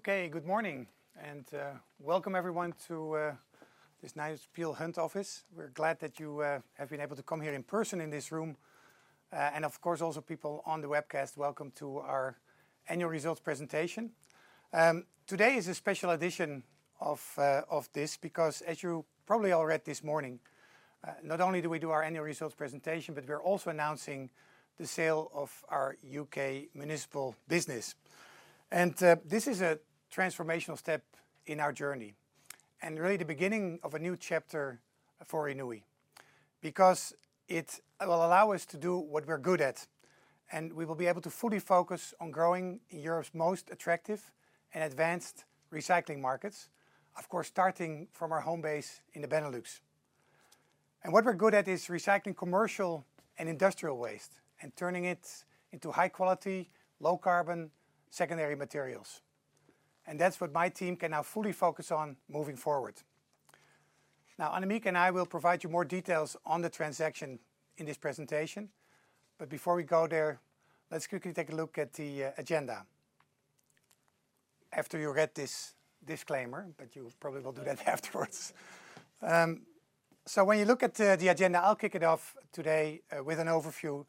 Okay, good morning, and welcome everyone to this nice Peel Hunt office. We're glad that you have been able to come here in person in this room, and of course also people on the webcast, welcome to our annual results presentation. Today is a special edition of this because, as you probably all read this morning, not only do we do our annual results presentation, but we're also announcing the sale of our U.K. municipal business, and this is a transformational step in our journey, and really the beginning of a new chapter for Renewi, because it will allow us to do what we're good at, and we will be able to fully focus on growing in Europe's most attractive and advanced recycling markets, of course starting from our home base in the Benelux. What we're good at is recycling commercial and industrial waste and turning it into high-quality, low-carbon secondary materials. That's what my team can now fully focus on moving forward. Now, Annemieke and I will provide you more details on the transaction in this presentation, but before we go there, let's quickly take a look at the agenda. After you read this disclaimer, but you probably will do that afterwards. So when you look at the agenda, I'll kick it off today with an overview,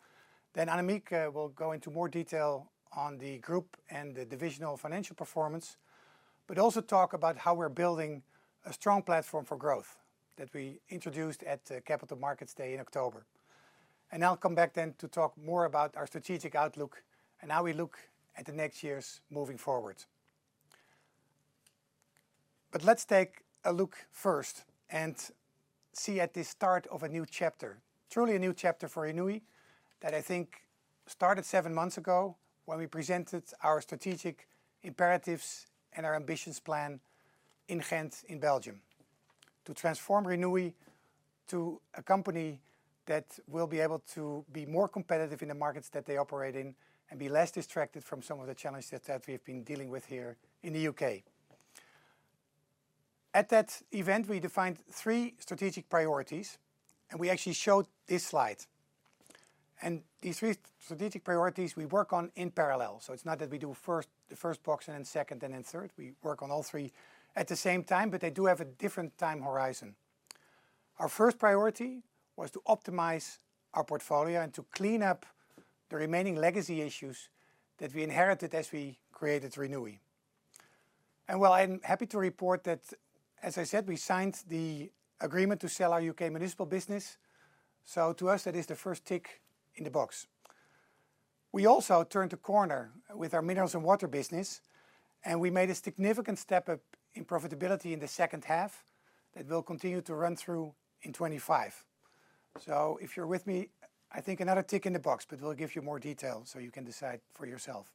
then Annemieke will go into more detail on the group and the divisional financial performance, but also talk about how we're building a strong platform for growth that we introduced at Capital Markets Day in October. I'll come back then to talk more about our strategic outlook and how we look at the next years moving forward. But let's take a look first and see at the start of a new chapter, truly a new chapter for Renewi that I think started seven months ago when we presented our strategic imperatives and our ambitions plan in Ghent in Belgium, to transform Renewi to a company that will be able to be more competitive in the markets that they operate in and be less distracted from some of the challenges that we have been dealing with here in the U.K. At that event, we defined three strategic priorities, and we actually showed this slide. And these three strategic priorities we work on in parallel. So it's not that we do first the first box and then second and then third. We work on all three at the same time, but they do have a different time horizon. Our first priority was to optimize our portfolio and to clean up the remaining legacy issues that we inherited as we created Renewi. And well, I'm happy to report that, as I said, we signed the agreement to sell our U.K. municipal business. So to us, that is the first tick in the box. We also turned the corner with our Mineralz & Water business, and we made a significant step up in profitability in the second half that will continue to run through in 2025. So if you're with me, I think another tick in the box, but we'll give you more detail so you can decide for yourself.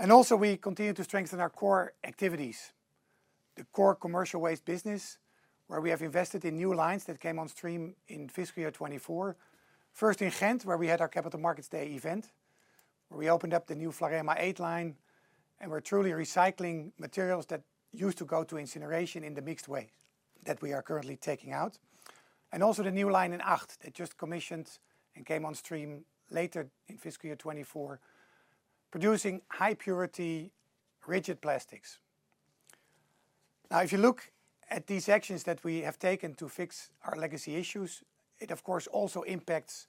And also, we continue to strengthen our core activities, the core commercial waste business, where we have invested in new lines that came on stream in fiscal year 2024. First in Ghent, where we had our Capital Markets Day event, where we opened up the new Vlarema 8 line, and we're truly recycling materials that used to go to incineration in the mixed waste that we are currently taking out. And also the new line in Puurs that just commissioned and came on stream later in fiscal year 2024, producing high-purity rigid plastics. Now, if you look at these actions that we have taken to fix our legacy issues, it of course also impacts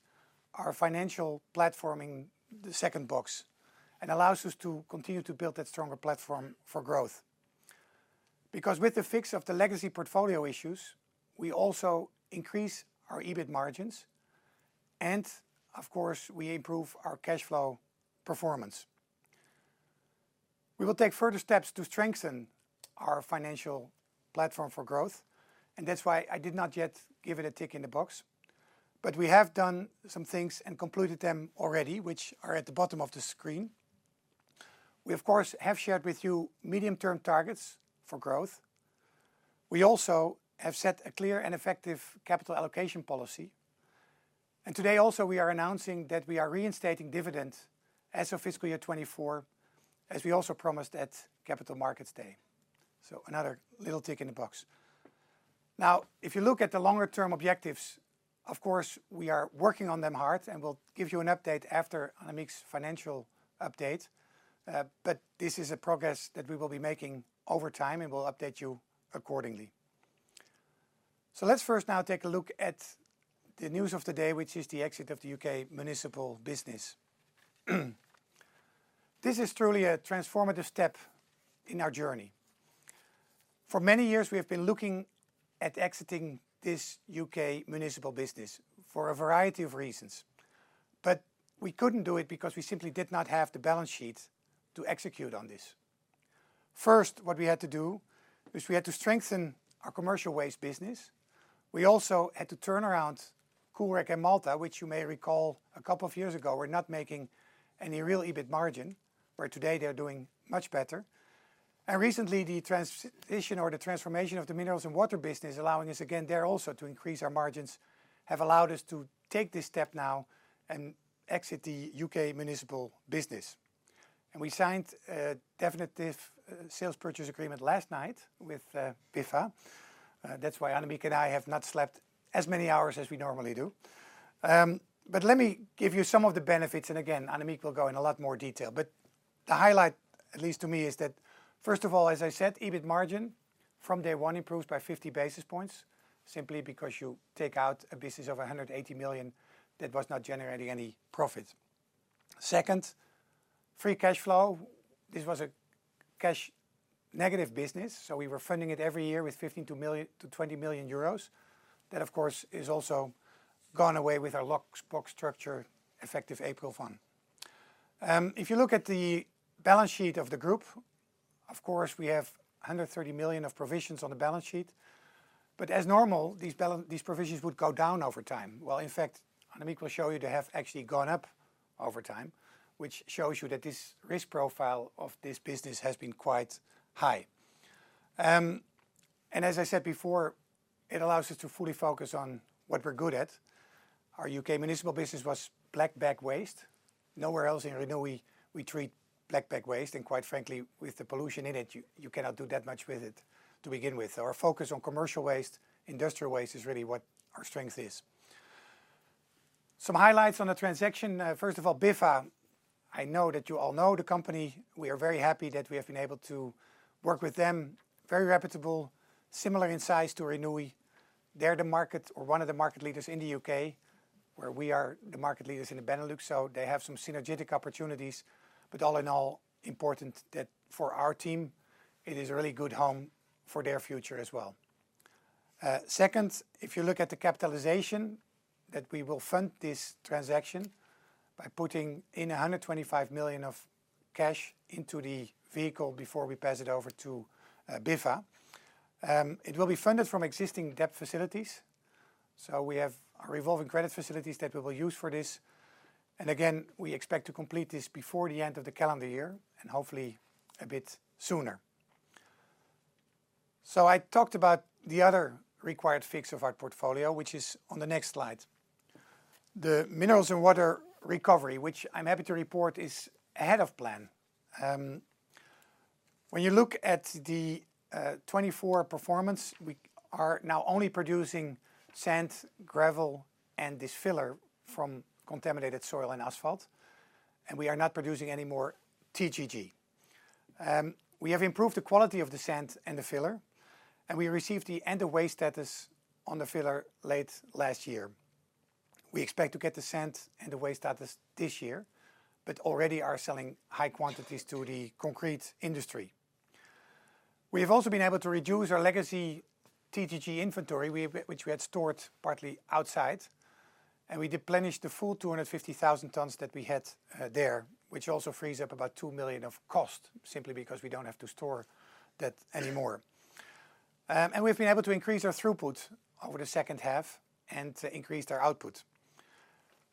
our financial platforming, the second box, and allows us to continue to build that stronger platform for growth. Because with the fix of the legacy portfolio issues, we also increase our EBIT margins, and of course, we improve our cash flow performance. We will take further steps to strengthen our financial platform for growth, and that's why I did not yet give it a tick in the box, but we have done some things and completed them already, which are at the bottom of the screen. We, of course, have shared with you medium-term targets for growth. We also have set a clear and effective capital allocation policy, and today also, we are announcing that we are reinstating dividends as of fiscal year 2024, as we also promised at Capital Markets Day, so another little tick in the box. Now, if you look at the longer-term objectives, of course, we are working on them hard, and we'll give you an update after Annemieke's financial update, but this is a progress that we will be making over time, and we'll update you accordingly. So let's first now take a look at the news of the day, which is the exit of the UK municipal business. This is truly a transformative step in our journey. For many years, we have been looking at exiting this UK municipal business for a variety of reasons, but we couldn't do it because we simply did not have the balance sheet to execute on this. First, what we had to do is we had to strengthen our commercial waste business. We also had to turn around Coolrec and Maltha, which you may recall a couple of years ago, were not making any real EBIT margin, where today they're doing much better. And recently, the transition or the transformation of the Mineralz and water business, allowing us again there also to increase our margins, have allowed us to take this step now and exit the UK municipal business. We signed a definitive sales purchase agreement last night with Biffa. That's why Annemieke and I have not slept as many hours as we normally do. Let me give you some of the benefits, and again, Annemieke will go in a lot more detail. The highlight, at least to me, is that, first of all, as I said, EBIT margin from day one improved by 50 basis points, simply because you take out a business of 180 million that was not generating any profit. Second, free cash flow. This was a cash negative business, so we were funding it every year with 15-20 million euros. That, of course, has also gone away with our lockbox structure effective April 1. If you look at the balance sheet of the group, of course, we have 130 million of provisions on the balance sheet, but as normal, these provisions would go down over time. In fact, Annemieke will show you they have actually gone up over time, which shows you that this risk profile of this business has been quite high. As I said before, it allows us to fully focus on what we're good at. Our U.K. municipal business was black bag waste. Nowhere else in Renewi we treat black bag waste, and quite frankly, with the pollution in it, you cannot do that much with it to begin with. Our focus on commercial waste, industrial waste is really what our strength is. Some highlights on the transaction. First of all, Biffa, I know that you all know the company. We are very happy that we have been able to work with them. Very reputable, similar in size to Renewi. They're the market or one of the market leaders in the UK, where we are the market leaders in the Benelux, so they have some synergistic opportunities. But all in all, important that for our team, it is a really good home for their future as well. Second, if you look at the capitalization that we will fund this transaction by putting in 125 million of cash into the vehicle before we pass it over to Biffa, it will be funded from existing debt facilities. So we have our revolving credit facilities that we will use for this, and again, we expect to complete this before the end of the calendar year and hopefully a bit sooner. So I talked about the other required fix of our portfolio, which is on the next slide. The minerals and water recovery, which I'm happy to report is ahead of plan. When you look at the 2024 performance, we are now only producing sand, gravel, and this filler from contaminated soil and asphalt, and we are not producing any more TGG. We have improved the quality of the sand and the filler, and we received the end-of-waste status on the filler late last year. We expect to get the end-of-waste status for the sand this year, but already are selling high quantities to the concrete industry. We have also been able to reduce our legacy TGG inventory, which we had stored partly outside, and we replenished the full 250,000 tons that we had there, which also frees up about 2 million of cost, simply because we don't have to store that anymore. And we've been able to increase our throughput over the second half and increase our output.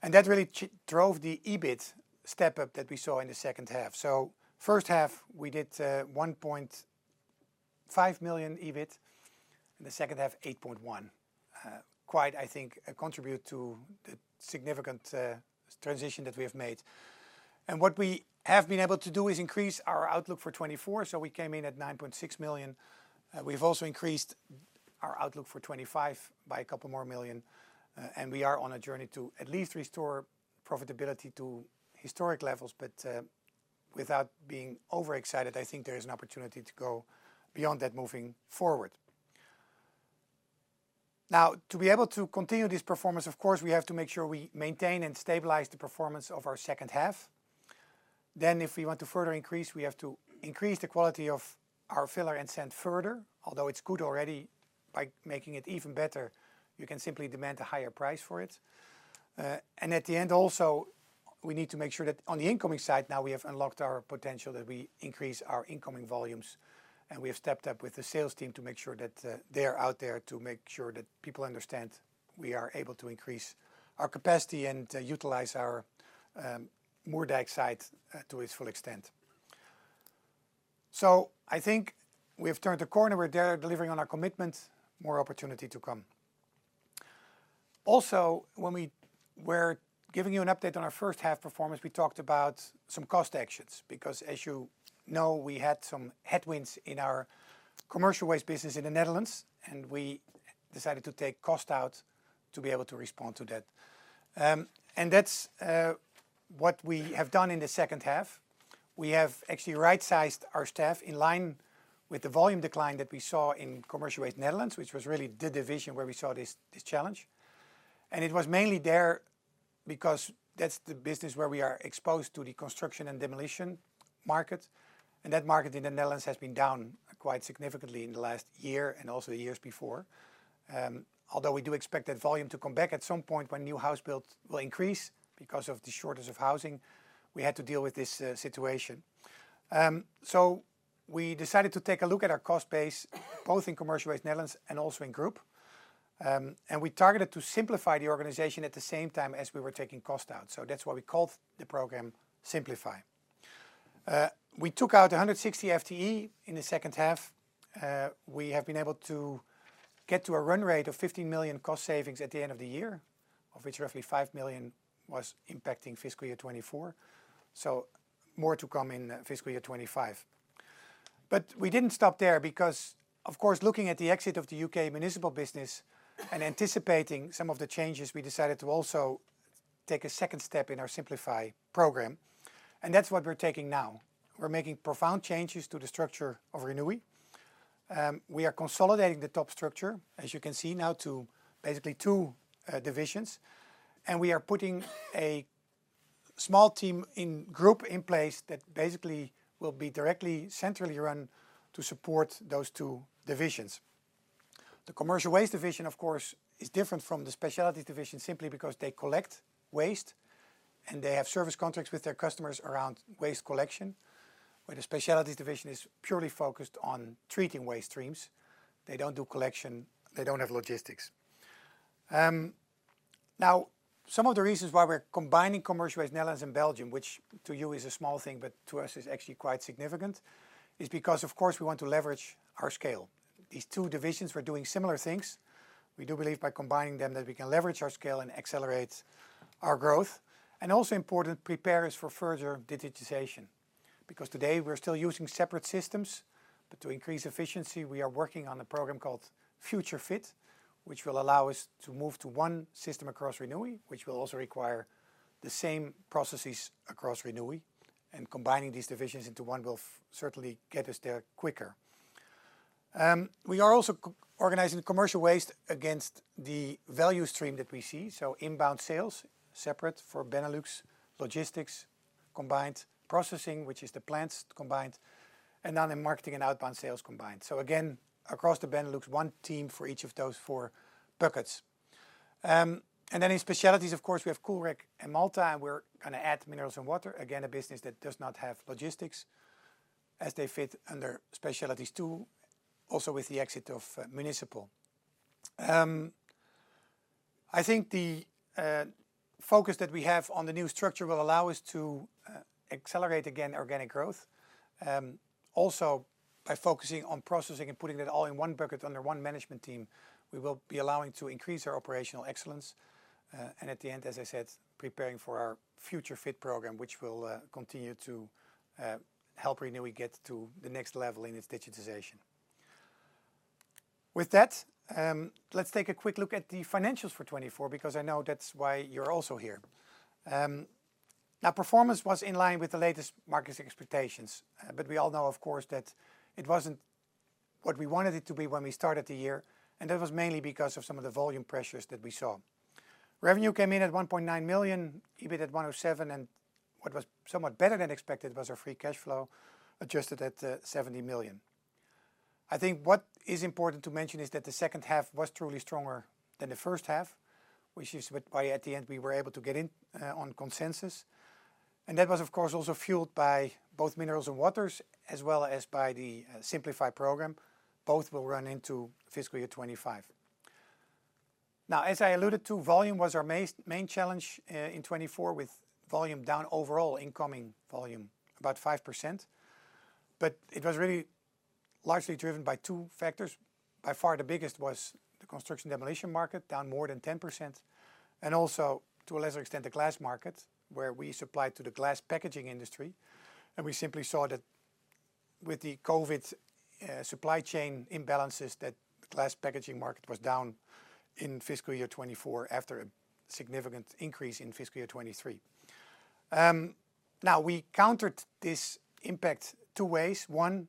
And that really drove the EBIT step up that we saw in the second half. So first half, we did 1.5 million EBIT, and the second half, 8.1. Quite, I think, a contribution to the significant transition that we have made. And what we have been able to do is increase our outlook for 2024, so we came in at 9.6 million. We've also increased our outlook for 2025 by a couple more million, and we are on a journey to at least restore profitability to historic levels, but without being overexcited, I think there is an opportunity to go beyond that moving forward. Now, to be able to continue this performance, of course, we have to make sure we maintain and stabilize the performance of our second half. Then, if we want to further increase, we have to increase the quality of our filler and sand further, although it's good already by making it even better. You can simply demand a higher price for it. And at the end, also, we need to make sure that on the incoming side now, we have unlocked our potential that we increase our incoming volumes, and we have stepped up with the sales team to make sure that they're out there to make sure that people understand we are able to increase our capacity and utilize our Moerdijk site to its full extent. So I think we have turned the corner. We're there delivering on our commitment. More opportunity to come. Also, when we were giving you an update on our first half performance, we talked about some cost actions, because as you know, we had some headwinds in our commercial waste business in the Netherlands, and we decided to take cost out to be able to respond to that. And that's what we have done in the second half. We have actually right-sized our staff in line with the volume decline that we saw in commercial waste Netherlands, which was really the division where we saw this challenge, and it was mainly there because that's the business where we are exposed to the construction and demolition market, and that market in the Netherlands has been down quite significantly in the last year and also the years before. Although we do expect that volume to come back at some point when new house builds will increase because of the shortage of housing, we had to deal with this situation, so we decided to take a look at our cost base, both in commercial waste Netherlands and also in group, and we targeted to simplify the organization at the same time as we were taking cost out, so that's why we called the program Simplify. We took out 160 FTE in the second half. We have been able to get to a run rate of 15 million cost savings at the end of the year, of which roughly 5 million was impacting fiscal year 2024, so more to come in fiscal year 2025, but we didn't stop there because, of course, looking at the exit of the UK municipal business and anticipating some of the changes, we decided to also take a second step in our Simplify program, and that's what we're taking now. We're making profound changes to the structure of Renewi. We are consolidating the top structure, as you can see now, to basically two divisions, and we are putting a small team in group in place that basically will be directly centrally run to support those two divisions. The commercial waste division, of course, is different from the specialties division simply because they collect waste and they have service contracts with their customers around waste collection, where the specialties division is purely focused on treating waste streams. They don't do collection. They don't have logistics. Now, some of the reasons why we're combining commercial waste Netherlands and Belgium, which to you is a small thing, but to us is actually quite significant, is because, of course, we want to leverage our scale. These two divisions are doing similar things. We do believe by combining them that we can leverage our scale and accelerate our growth. And also important, prepare us for further digitization, because today we're still using separate systems, but to increase efficiency, we are working on a program called Future Fit, which will allow us to move to one system across Renewi, which will also require the same processes across Renewi, and combining these divisions into one will certainly get us there quicker. We are also organizing the commercial waste against the value stream that we see, so inbound sales separate for Benelux logistics combined, processing, which is the plants combined, and then marketing and outbound sales combined. So again, across the Benelux, one team for each of those four buckets. And then in specialties, of course, we have Coolrec and Maltha, and we're going to add Mineralz and water, again, a business that does not have logistics as they fit under specialties too, also with the exit of municipal. I think the focus that we have on the new structure will allow us to accelerate again organic growth. Also, by focusing on processing and putting that all in one bucket under one management team, we will be allowing to increase our operational excellence, and at the end, as I said, preparing for our Future Fit program, which will continue to help Renewi get to the next level in its digitization. With that, let's take a quick look at the financials for 2024, because I know that's why you're also here. Now, performance was in line with the latest market expectations, but we all know, of course, that it wasn't what we wanted it to be when we started the year, and that was mainly because of some of the volume pressures that we saw. Revenue came in at 1.9 million, EBIT at 107, and what was somewhat better than expected was our free cash flow adjusted at 70 million. I think what is important to mention is that the second half was truly stronger than the first half, which is why at the end we were able to get in on consensus, and that was, of course, also fueled by both Mineralz and waters, as well as by the Simplify program. Both will run into fiscal year 2025. Now, as I alluded to, volume was our main challenge in 2024, with volume down overall, incoming volume about 5%, but it was really largely driven by two factors. By far, the biggest was the construction demolition market, down more than 10%, and also, to a lesser extent, the glass market, where we supplied to the glass packaging industry. We simply saw that with the COVID supply chain imbalances that the glass packaging market was down in fiscal year 2024 after a significant increase in fiscal year 2023. Now, we countered this impact two ways. One,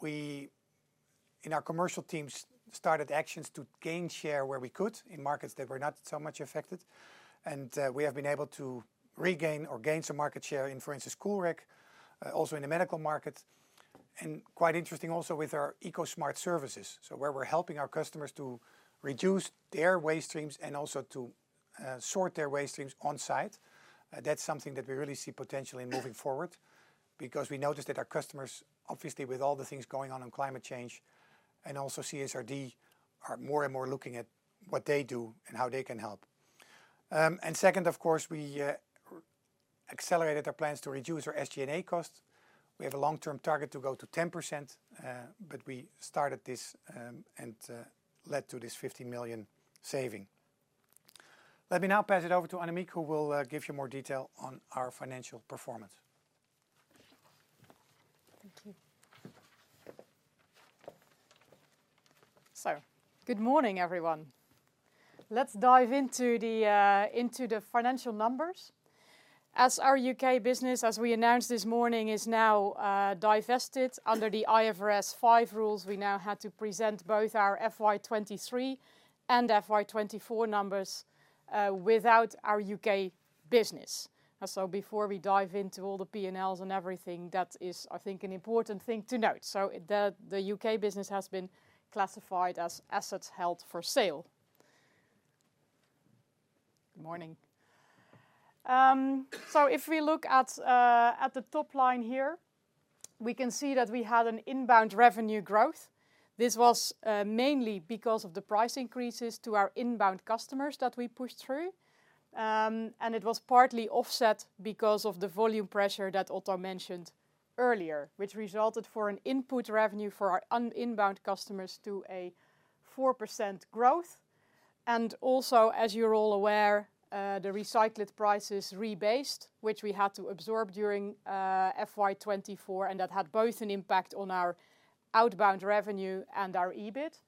we in our commercial teams started actions to gain share where we could in markets that were not so much affected, and we have been able to regain or gain some market share in, for instance, Coolrec, also in the medical market. Quite interesting also with our EcoSmart services, so where we're helping our customers to reduce their waste streams and also to sort their waste streams on site. That's something that we really see potential in moving forward, because we noticed that our customers, obviously with all the things going on on climate change and also CSRD, are more and more looking at what they do and how they can help. Second, of course, we accelerated our plans to reduce our SG&A cost. We have a long-term target to go to 10%, but we started this and led to this 15 million saving. Let me now pass it over to Annemieke, who will give you more detail on our financial performance. Thank you. Good morning, everyone. Let's dive into the financial numbers. As our UK business, as we announced this morning, is now divested under the IFRS 5 rules, we now had to present both our FY23 and FY24 numbers without our UK business. Before we dive into all the P&Ls and everything, that is, I think, an important thing to note. The UK business has been classified as assets held for sale. Good morning. If we look at the top line here, we can see that we had an inbound revenue growth. This was mainly because of the price increases to our inbound customers that we pushed through, and it was partly offset because of the volume pressure that Otto mentioned earlier, which resulted in an input revenue for our inbound customers to a 4% growth. Also, as you're all aware, the recycled prices rebased, which we had to absorb during FY24, and that had both an impact on our outbound revenue and our EBIT.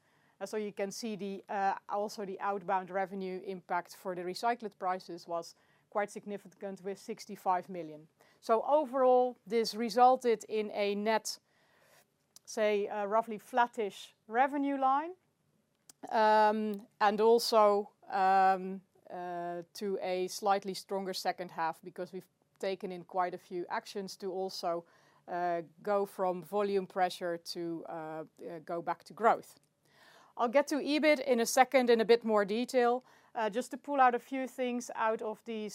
You can see also the outbound revenue impact for the recycled prices was quite significant with 65 million. So overall, this resulted in a net, say, roughly flattish revenue line, and also to a slightly stronger second half, because we've taken in quite a few actions to also go from volume pressure to go back to growth. I'll get to EBIT in a second in a bit more detail. Just to pull out a few things out of these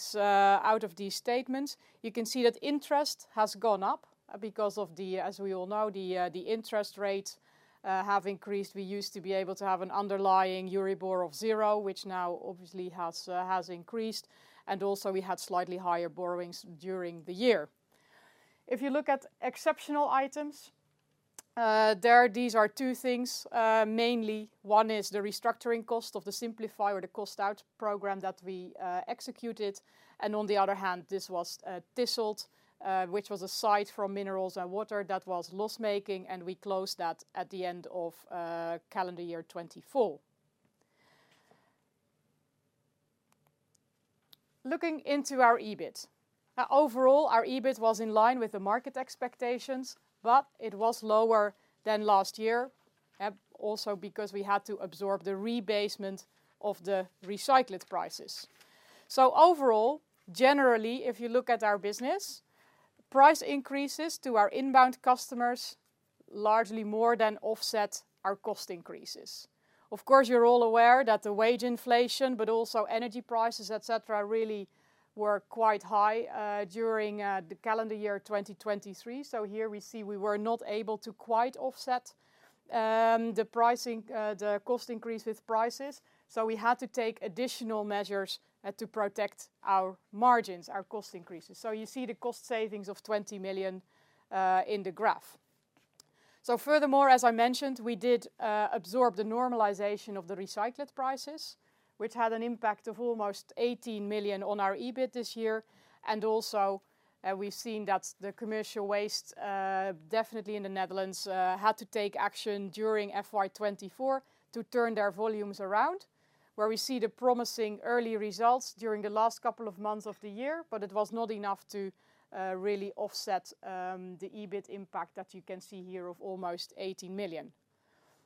statements, you can see that interest has gone up because of the, as we all know, the interest rates have increased. We used to be able to have an underlying Euribor of zero, which now obviously has increased, and also we had slightly higher borrowings during the year. If you look at exceptional items, these are two things mainly. One is the restructuring cost of the Simplify or the cost-out program that we executed, and on the other hand, this was a TIS, which was a site for minerals and water that was loss-making, and we closed that at the end of calendar year 2024. Looking into our EBIT, overall, our EBIT was in line with the market expectations, but it was lower than last year, also because we had to absorb the rebasement of the recycled prices, so overall, generally, if you look at our business, price increases to our inbound customers largely more than offset our cost increases. Of course, you're all aware that the wage inflation, but also energy prices, etc., really were quite high during the calendar year 2023. So here we see we were not able to quite offset the cost increase with prices, so we had to take additional measures to protect our margins, our cost increases. So you see the cost savings of 20 million in the graph. So furthermore, as I mentioned, we did absorb the normalization of the recycled prices, which had an impact of almost 18 million on our EBIT this year. And also we've seen that the commercial waste, definitely in the Netherlands, had to take action during FY24 to turn their volumes around, where we see the promising early results during the last couple of months of the year, but it was not enough to really offset the EBIT impact that you can see here of almost 18 million.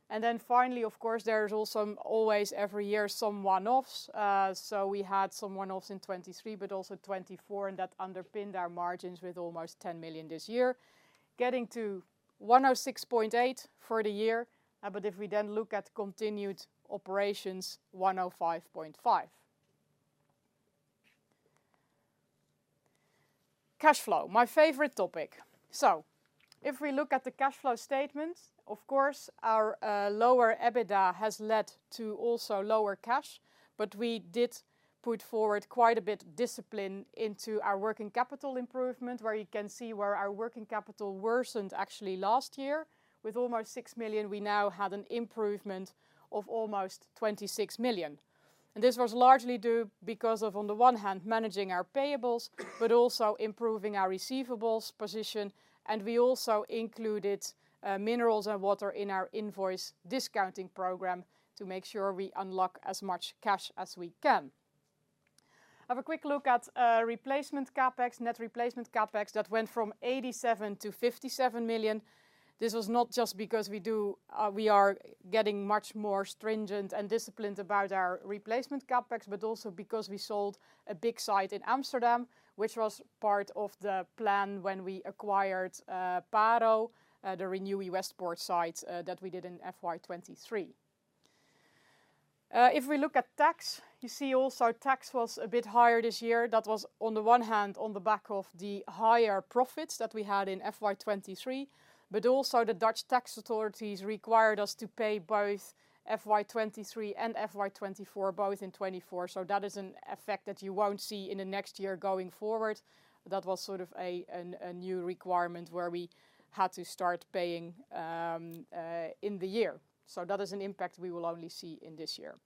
And then finally, of course, there is also always every year some one-offs. So we had some one-offs in 2023, but also 2024, and that underpinned our margins with almost 10 million this year, getting to 106.8 million for the year, but if we then look at continued operations, 105.5 million. Cash flow, my favorite topic. So if we look at the cash flow statement, of course, our lower EBITDA has led to also lower cash, but we did put forward quite a bit of discipline into our working capital improvement, where you can see our working capital worsened actually last year. With almost 6 million, we now had an improvement of almost 26 million. And this was largely due because of, on the one hand, managing our payables, but also improving our receivables position, and we also included Mineralz and water in our invoice discounting program to make sure we unlock as much cash as we can. Have a quick look at replacement CapEx, net replacement CapEx that went from 87 million to 57 million. This was not just because we are getting much more stringent and disciplined about our replacement CapEx, but also because we sold a big site in Amsterdam, which was part of the plan when we acquired Paro, the Renewi Westport site that we did in FY23. If we look at tax, you see also tax was a bit higher this year. That was on the one hand on the back of the higher profits that we had in FY23, but also the Dutch tax authorities required us to pay both FY23 and FY24, both in 2024. So that is an effect that you won't see in the next year going forward. That was sort of a new requirement where we had to start paying in the year. So that is an impact we will only see in this year.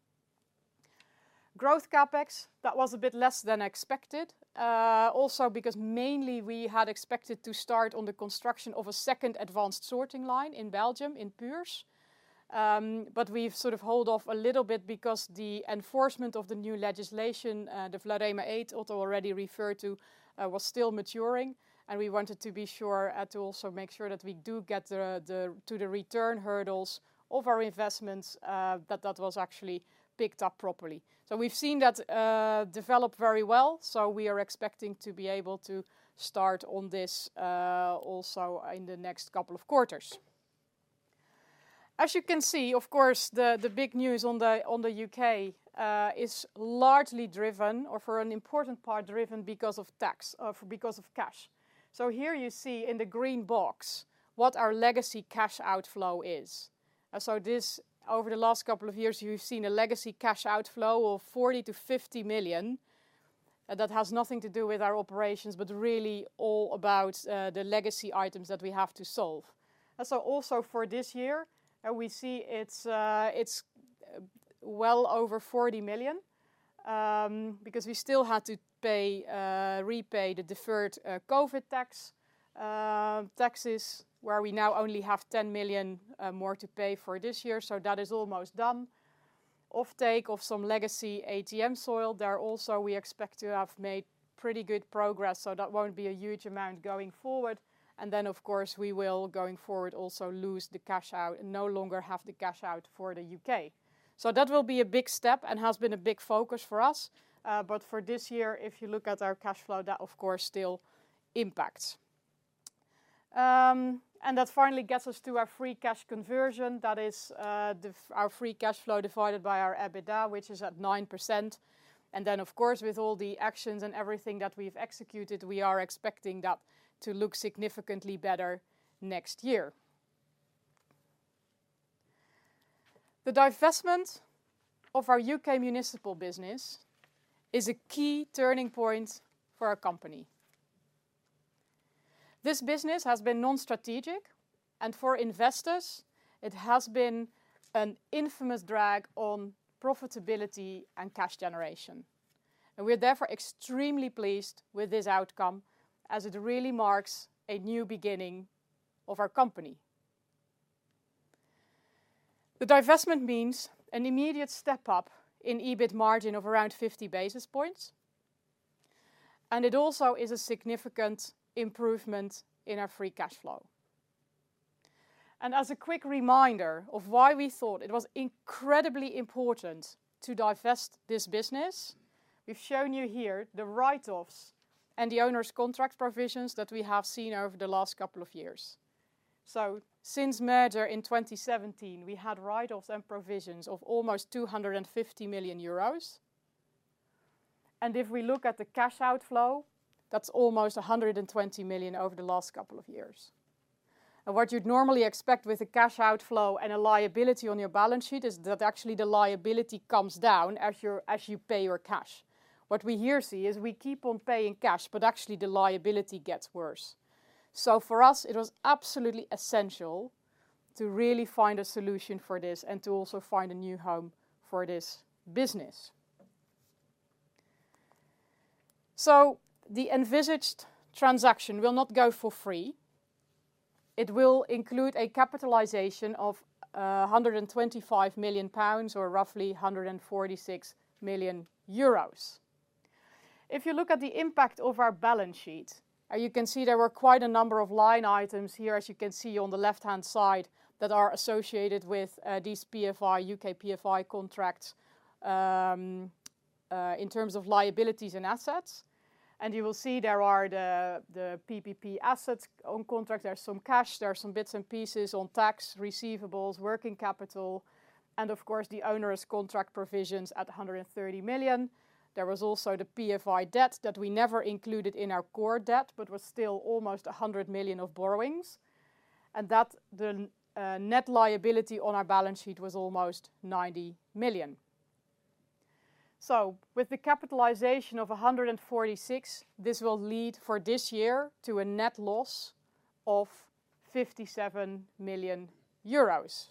Growth CapEx, that was a bit less than expected, also because mainly we had expected to start on the construction of a second advanced sorting line in Belgium, in Puurs. But we've sort of held off a little bit because the enforcement of the new legislation, the Vlarema 8, Otter already referred to, was still maturing, and we wanted to be sure to also make sure that we do get to the return hurdles of our investments, that that was actually picked up properly. So we've seen that develop very well, so we are expecting to be able to start on this also in the next couple of quarters. As you can see, of course, the big news on the UK is largely driven, or for an important part driven, because of tax, because of cash. Here you see in the green box what our legacy cash outflow is. This, over the last couple of years, you've seen a legacy cash outflow of 40-50 million that has nothing to do with our operations, but really all about the legacy items that we have to solve. Also for this year, we see it's well over 40 million because we still had to repay the deferred COVID taxes, where we now only have 10 million more to pay for this year, so that is almost done. Offtake of some legacy ATM soil, there also we expect to have made pretty good progress, so that won't be a huge amount going forward. Then, of course, we will going forward also lose the cash out and no longer have the cash out for the UK. So that will be a big step and has been a big focus for us, but for this year, if you look at our cash flow, that of course still impacts. And that finally gets us to our free cash conversion, that is our free cash flow divided by our EBITDA, which is at 9%. And then, of course, with all the actions and everything that we've executed, we are expecting that to look significantly better next year. The divestment of our U.K. municipal business is a key turning point for our company. This business has been non-strategic, and for investors, it has been an infamous drag on profitability and cash generation. And we're therefore extremely pleased with this outcome as it really marks a new beginning of our company. The divestment means an immediate step up in EBIT margin of around 50 basis points, and it also is a significant improvement in our free cash flow, and as a quick reminder of why we thought it was incredibly important to divest this business, we've shown you here the write-offs and the onerous contract provisions that we have seen over the last couple of years, so since merger in 2017, we had write-offs and provisions of almost 250 million euros. And if we look at the cash outflow, that's almost 120 million over the last couple of years. And what you'd normally expect with a cash outflow and a liability on your balance sheet is that actually the liability comes down as you pay your cash. What we here see is we keep on paying cash, but actually the liability gets worse. For us, it was absolutely essential to really find a solution for this and to also find a new home for this business. The envisaged transaction will not go for free. It will include a capitalization of 125 million pounds or roughly 146 million euros. If you look at the impact of our balance sheet, you can see there were quite a number of line items here, as you can see on the left-hand side, that are associated with these U.K. PFI contracts in terms of liabilities and assets. You will see there are the PPP assets on contract. There's some cash, there's some bits and pieces on tax receivables, working capital, and of course the onerous contract provisions at 130 million. There was also the PFI debt that we never included in our core debt, but was still almost 100 million of borrowings. And that the net liability on our balance sheet was almost 90 million. So with the capitalization of 146 million, this will lead for this year to a net loss of 57 million euros.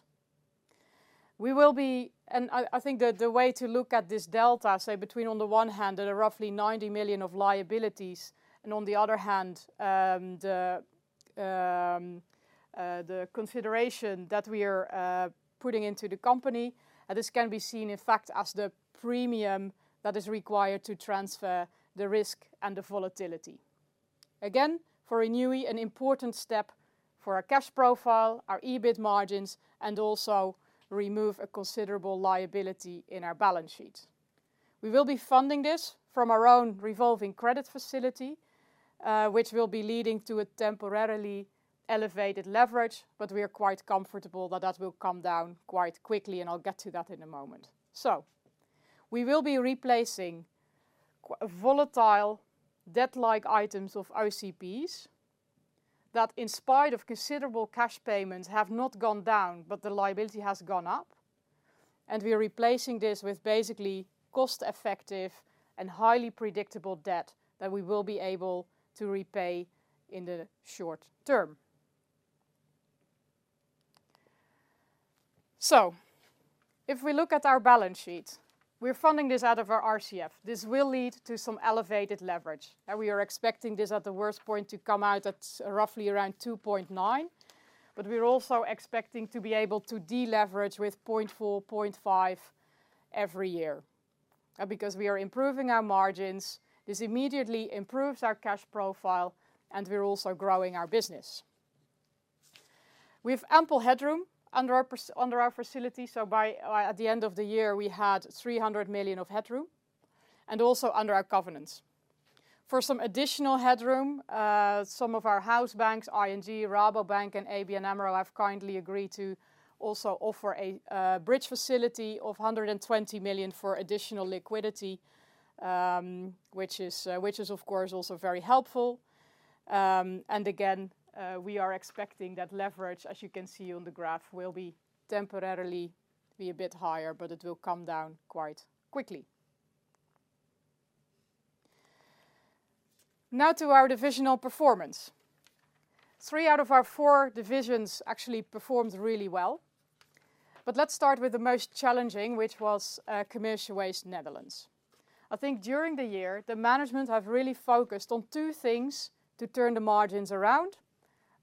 We will be, and I think that the way to look at this delta, say between on the one hand there are roughly 90 million of liabilities and on the other hand the consideration that we are putting into the company, this can be seen in fact as the premium that is required to transfer the risk and the volatility. Again, for Renewi, an important step for our cash profile, our EBIT margins, and also remove a considerable liability in our balance sheet. We will be funding this from our own revolving credit facility, which will be leading to a temporarily elevated leverage, but we are quite comfortable that that will come down quite quickly, and I'll get to that in a moment, so we will be replacing volatile debt-like items of OCPs that in spite of considerable cash payments have not gone down, but the liability has gone up, and we are replacing this with basically cost-effective and highly predictable debt that we will be able to repay in the short term, so if we look at our balance sheet, we are funding this out of our RCF. This will lead to some elevated leverage. We are expecting this at the worst point to come out at roughly around 2.9, but we're also expecting to be able to deleverage with 0.4, 0.5 every year. Because we are improving our margins, this immediately improves our cash profile, and we're also growing our business. We have ample headroom under our facility, so by at the end of the year we had 300 million of headroom and also under our covenants. For some additional headroom, some of our house banks, ING, Rabobank, and ABN AMRO have kindly agreed to also offer a bridge facility of 120 million for additional liquidity, which is of course also very helpful. And again, we are expecting that leverage, as you can see on the graph, will be temporarily a bit higher, but it will come down quite quickly. Now to our divisional performance. Three out of our four divisions actually performed really well, but let's start with the most challenging, which was commercial waste Netherlands. I think during the year the management have really focused on two things to turn the margins around: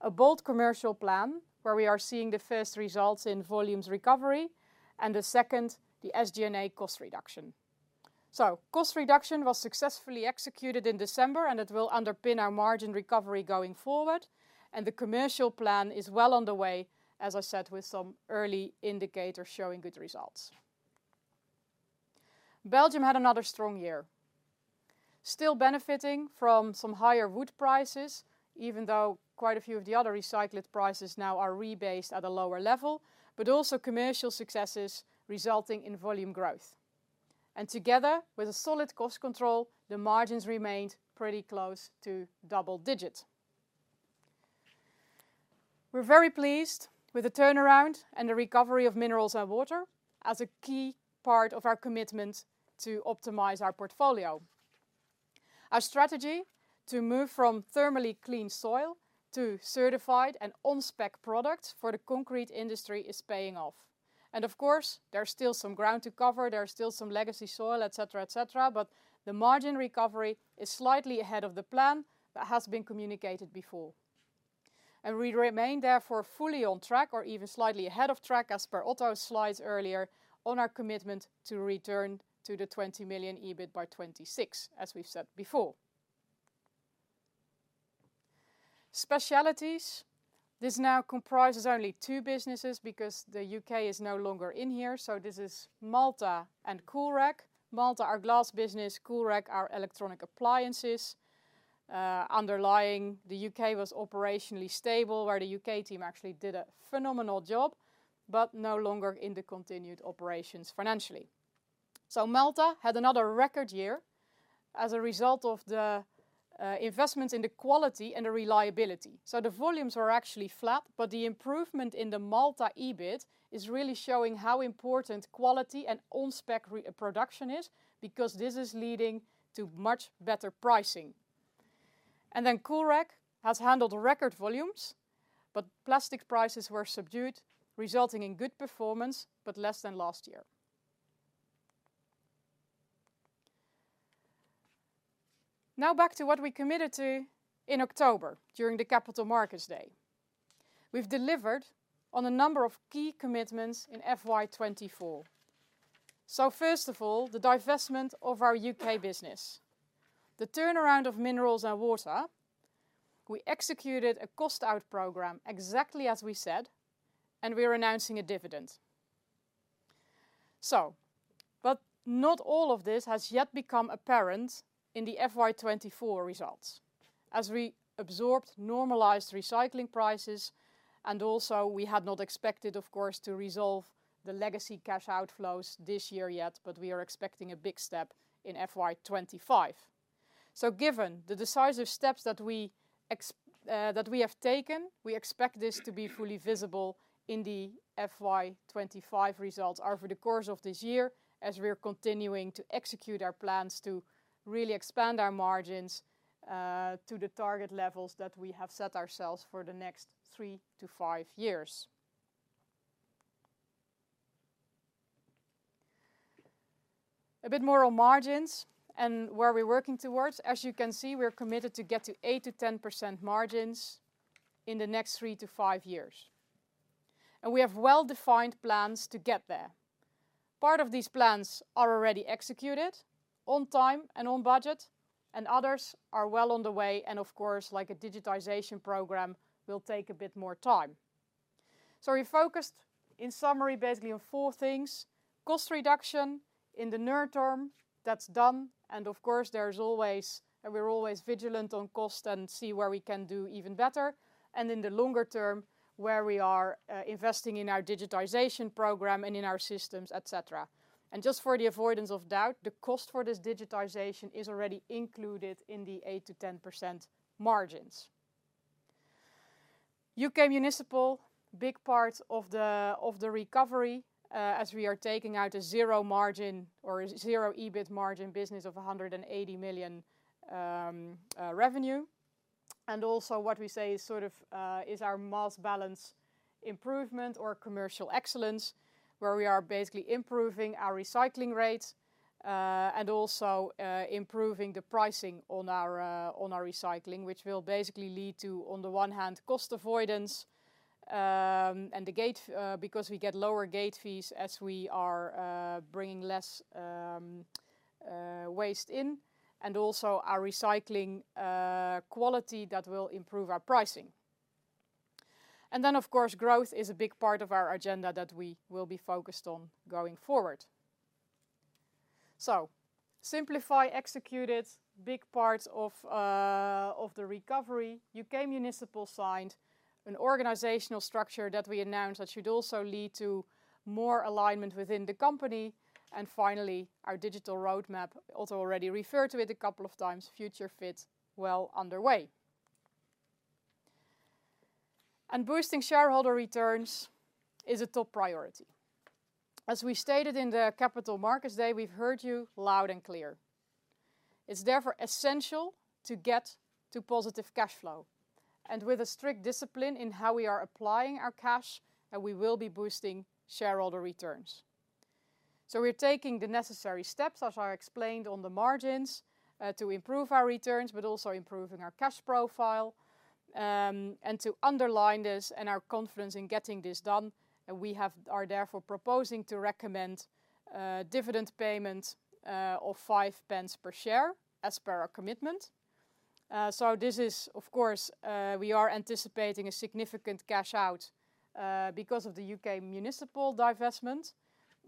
a bold commercial plan where we are seeing the first results in volumes recovery, and the second, the SG&A cost reduction. So cost reduction was successfully executed in December, and it will underpin our margin recovery going forward. And the commercial plan is well on the way, as I said, with some early indicators showing good results. Belgium had another strong year, still benefiting from some higher wood prices, even though quite a few of the other recycled prices now are rebased at a lower level, but also commercial successes resulting in volume growth. And together with a solid cost control, the margins remained pretty close to double digit. We're very pleased with the turnaround and the recovery of minerals and water as a key part of our commitment to optimize our portfolio. Our strategy to move from thermally cleaned soil to certified and on-spec products for the concrete industry is paying off. And of course, there's still some ground to cover, there's still some legacy soil, etc., etc., but the margin recovery is slightly ahead of the plan that has been communicated before. And we remain therefore fully on track or even slightly ahead of track, as per Otter's slides earlier, on our commitment to return to 20 million EBIT by 2026, as we've said before. Specialties, this now comprises only two businesses because the UK is no longer in here, so this is Maltha and Coolrec. Maltha, our glass business. Coolrec, our electronic appliances. Underlying, the UK was operationally stable, where the UK team actually did a phenomenal job, but no longer in the continued operations financially. So Maltha had another record year as a result of the investments in the quality and the reliability. So the volumes were actually flat, but the improvement in the Maltha EBIT is really showing how important quality and on-spec production is because this is leading to much better pricing. And then Coolrec has handled record volumes, but plastic prices were subdued, resulting in good performance, but less than last year. Now back to what we committed to in October during the Capital Markets Day. We've delivered on a number of key commitments in FY24. So first of all, the divestment of our UK business, the turnaround of minerals and water. We executed a cost-out program exactly as we said, and we're announcing a dividend. So, but not all of this has yet become apparent in the FY24 results. As we absorbed normalized recycling prices, and also we had not expected, of course, to resolve the legacy cash outflows this year yet, but we are expecting a big step in FY25. So given the decisive steps that we have taken, we expect this to be fully visible in the FY25 results over the course of this year as we're continuing to execute our plans to really expand our margins to the target levels that we have set ourselves for the next three to five years. A bit more on margins and where we're working towards. As you can see, we're committed to get to 8%-10% margins in the next three to five years. And we have well-defined plans to get there. Part of these plans are already executed on time and on budget, and others are well on the way, and of course, like a digitization program, will take a bit more time, so we focused, in summary, basically on four things: cost reduction in the near term that's done, and of course, there's always, and we're always vigilant on cost and see where we can do even better, and in the longer term where we are investing in our digitization program and in our systems, etc., and just for the avoidance of doubt, the cost for this digitization is already included in the 8%-10% margins. UK municipal, big part of the recovery as we are taking out a zero margin or zero EBIT margin business of 180 million revenue. Also what we say is sort of is our mass balance improvement or commercial excellence, where we are basically improving our recycling rates and also improving the pricing on our recycling, which will basically lead to, on the one hand, cost avoidance at the gate, because we get lower gate fees as we are bringing less waste in, and also our recycling quality that will improve our pricing. Then, of course, growth is a big part of our agenda that we will be focused on going forward. Simplify, execute it, big part of the recovery. UK municipal simplification an organizational structure that we announced that should also lead to more alignment within the company. Finally, our digital roadmap, Otter already referred to it a couple of times, Future Fit, well underway. Boosting shareholder returns is a top priority. As we stated in the Capital Markets Day, we've heard you loud and clear. It's therefore essential to get to positive cash flow. And with a strict discipline in how we are applying our cash, we will be boosting shareholder returns. So we're taking the necessary steps, as I explained on the margins, to improve our returns, but also improving our cash profile. And to underline this and our confidence in getting this done, we are therefore proposing to recommend dividend payments of five pence per share, as per our commitment. So this is, of course, we are anticipating a significant cash out because of the U.K. municipal divestment.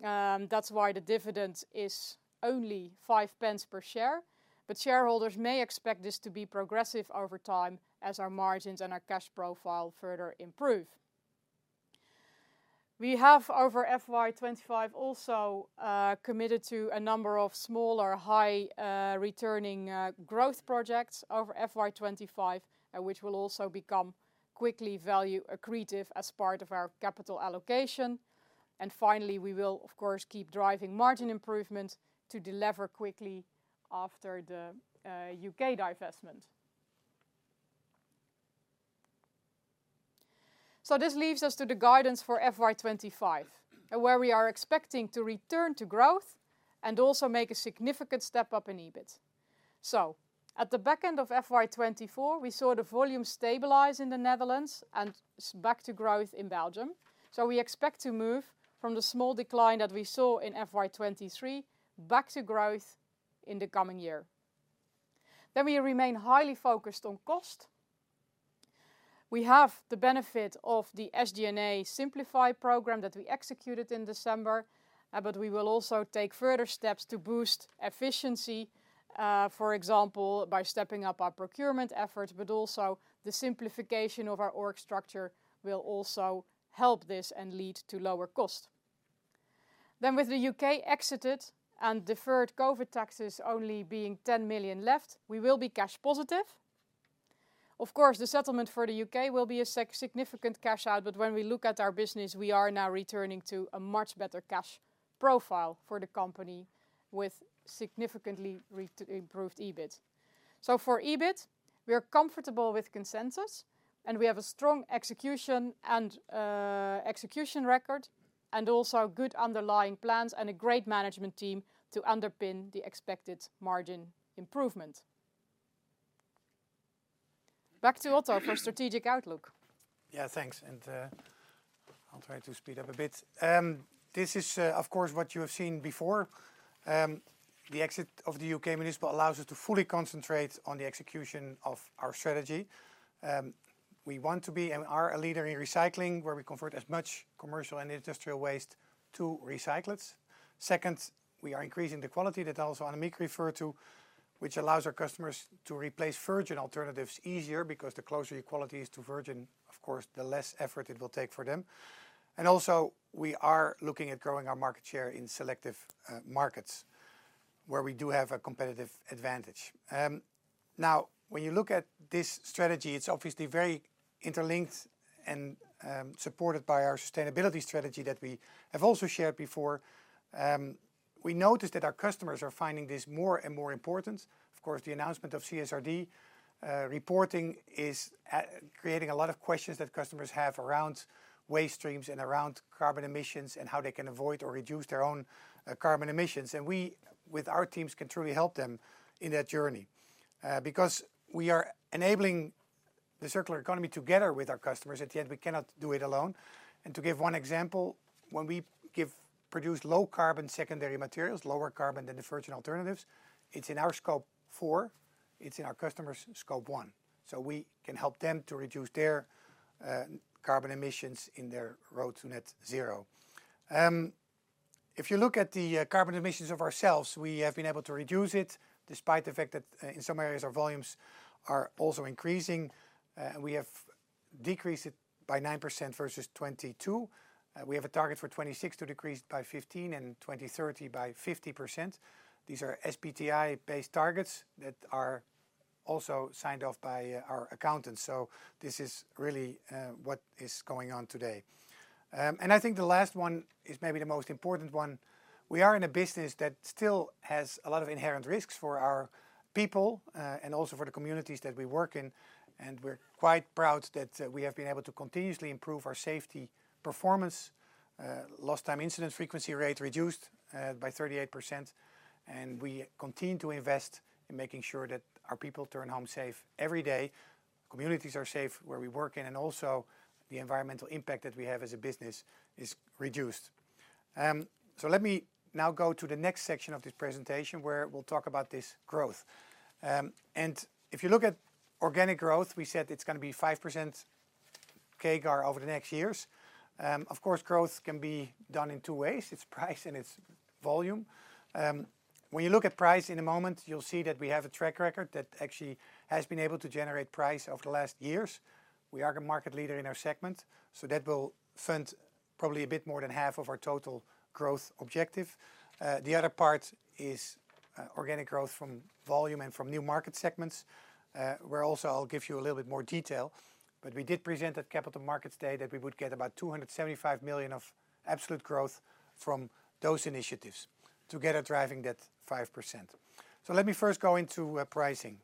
That's why the dividend is only five pence per share. But shareholders may expect this to be progressive over time as our margins and our cash profile further improve. We have over FY25 also committed to a number of smaller high-returning growth projects over FY25, which will also become quickly value accretive as part of our capital allocation, and finally, we will, of course, keep driving margin improvement to deliver quickly after the U.K. divestment, so this leads us to the guidance for FY25, where we are expecting to return to growth and also make a significant step up in EBIT, so at the back end of FY24, we saw the volume stabilize in the Netherlands and back to growth in Belgium, so we expect to move from the small decline that we saw in FY23 back to growth in the coming year, then we remain highly focused on cost. We have the benefit of the SG&A Simplify program that we executed in December, but we will also take further steps to boost efficiency, for example, by stepping up our procurement efforts, but also the simplification of our org structure will also help this and lead to lower cost. Then with the UK exited and deferred COVID taxes only being 10 million left, we will be cash positive. Of course, the settlement for the UK will be a significant cash out, but when we look at our business, we are now returning to a much better cash profile for the company with significantly improved EBIT. So for EBIT, we are comfortable with consensus and we have a strong execution and execution record and also good underlying plans and a great management team to underpin the expected margin improvement. Back to Otto for strategic outlook. Yeah, thanks. I'll try to speed up a bit. This is, of course, what you have seen before. The exit of the UK municipal allows us to fully concentrate on the execution of our strategy. We want to be and are a leader in recycling, where we convert as much commercial and industrial waste to recycled. Second, we are increasing the quality that also Annemieke referred to, which allows our customers to replace virgin alternatives easier because the closer your quality is to virgin, of course, the less effort it will take for them. And also, we are looking at growing our market share in selective markets, where we do have a competitive advantage. Now, when you look at this strategy, it's obviously very interlinked and supported by our sustainability strategy that we have also shared before. We noticed that our customers are finding this more and more important. Of course, the announcement of CSRD reporting is creating a lot of questions that customers have around waste streams and around carbon emissions and how they can avoid or reduce their own carbon emissions. And we, with our teams, can truly help them in that journey because we are enabling the circular economy together with our customers. At the end, we cannot do it alone. And to give one example, when we produce low carbon secondary materials, lower carbon than the virgin alternatives, it's in our scope four, it's in our customer's scope one. So we can help them to reduce their carbon emissions in their road to net zero. If you look at the carbon emissions of ourselves, we have been able to reduce it despite the fact that in some areas our volumes are also increasing. We have decreased it by 9% versus 22. We have a target for 2026 to decrease by 15% and 2030 by 50%. These are SBTi-based targets that are also signed off by our accountants. So this is really what is going on today. And I think the last one is maybe the most important one. We are in a business that still has a lot of inherent risks for our people and also for the communities that we work in. And we're quite proud that we have been able to continuously improve our safety performance. Lost time incident frequency rate reduced by 38%. And we continue to invest in making sure that our people turn home safe every day. Communities are safe where we work in, and also the environmental impact that we have as a business is reduced. So let me now go to the next section of this presentation where we'll talk about this growth. If you look at organic growth, we said it's going to be 5% CAGR over the next years. Of course, growth can be done in two ways. It's price and it's volume. When you look at price in a moment, you'll see that we have a track record that actually has been able to generate price over the last years. We are a market leader in our segment, so that will fund probably a bit more than half of our total growth objective. The other part is organic growth from volume and from new market segments, where also I'll give you a little bit more detail. But we did present at Capital Markets Day that we would get about 275 million of absolute growth from those initiatives together driving that 5%. So let me first go into pricing.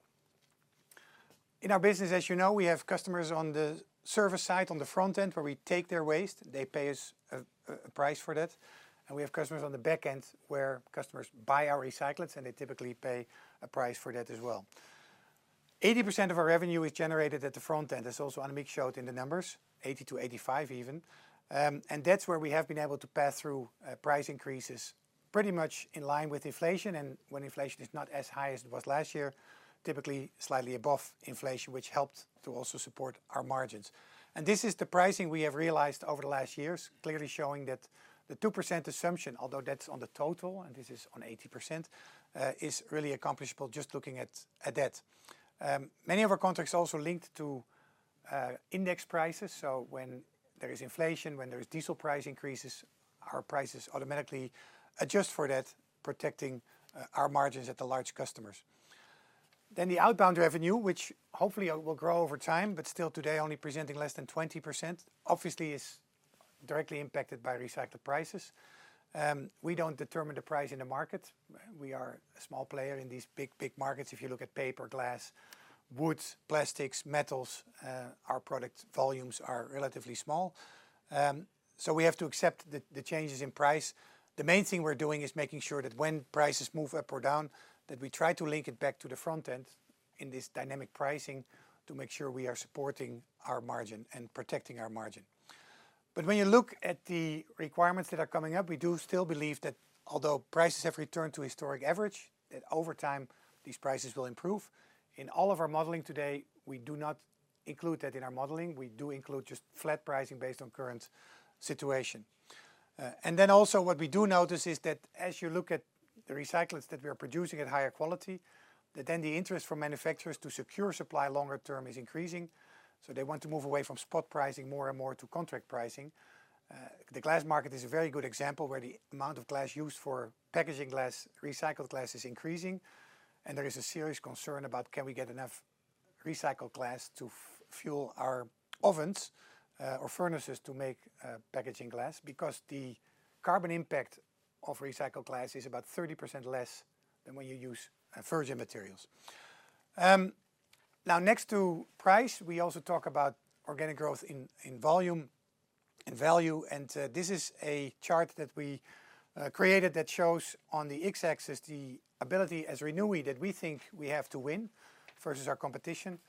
In our business, as you know, we have customers on the service side on the front end where we take their waste. They pay us a price for that, and we have customers on the back end where customers buy our recycleds, and they typically pay a price for that as well. 80% of our revenue is generated at the front end, as also Annemieke showed in the numbers, 80%-85% even, and that's where we have been able to pass through price increases pretty much in line with inflation, and when inflation is not as high as it was last year, typically slightly above inflation, which helped to also support our margins, and this is the pricing we have realized over the last years, clearly showing that the 2% assumption, although that's on the total, and this is on 80%, is really accomplishable just looking at that. Many of our contracts are also linked to index prices. So when there is inflation, when there is diesel price increases, our prices automatically adjust for that, protecting our margins at the large customers. Then the outbound revenue, which hopefully will grow over time, but still today only presenting less than 20%, obviously is directly impacted by recycled prices. We don't determine the price in the market. We are a small player in these big, big markets. If you look at paper, glass, woods, plastics, metals, our product volumes are relatively small. So we have to accept the changes in price. The main thing we're doing is making sure that when prices move up or down, that we try to link it back to the front end in this dynamic pricing to make sure we are supporting our margin and protecting our margin. But when you look at the requirements that are coming up, we do still believe that although prices have returned to historic average, that over time these prices will improve. In all of our modeling today, we do not include that in our modeling. We do include just flat pricing based on current situation. And then also what we do notice is that as you look at the recycled that we are producing at higher quality, that then the interest from manufacturers to secure supply longer term is increasing. So they want to move away from spot pricing more and more to contract pricing. The glass market is a very good example where the amount of glass used for packaging glass, recycled glass is increasing. There is a serious concern about can we get enough recycled glass to fuel our ovens or furnaces to make packaging glass because the carbon impact of recycled glass is about 30% less than when you use virgin materials. Now, next to price, we also talk about organic growth in volume and value. This is a chart that we created that shows on the X-axis the ability as Renewi that we think we have to win versus our competition.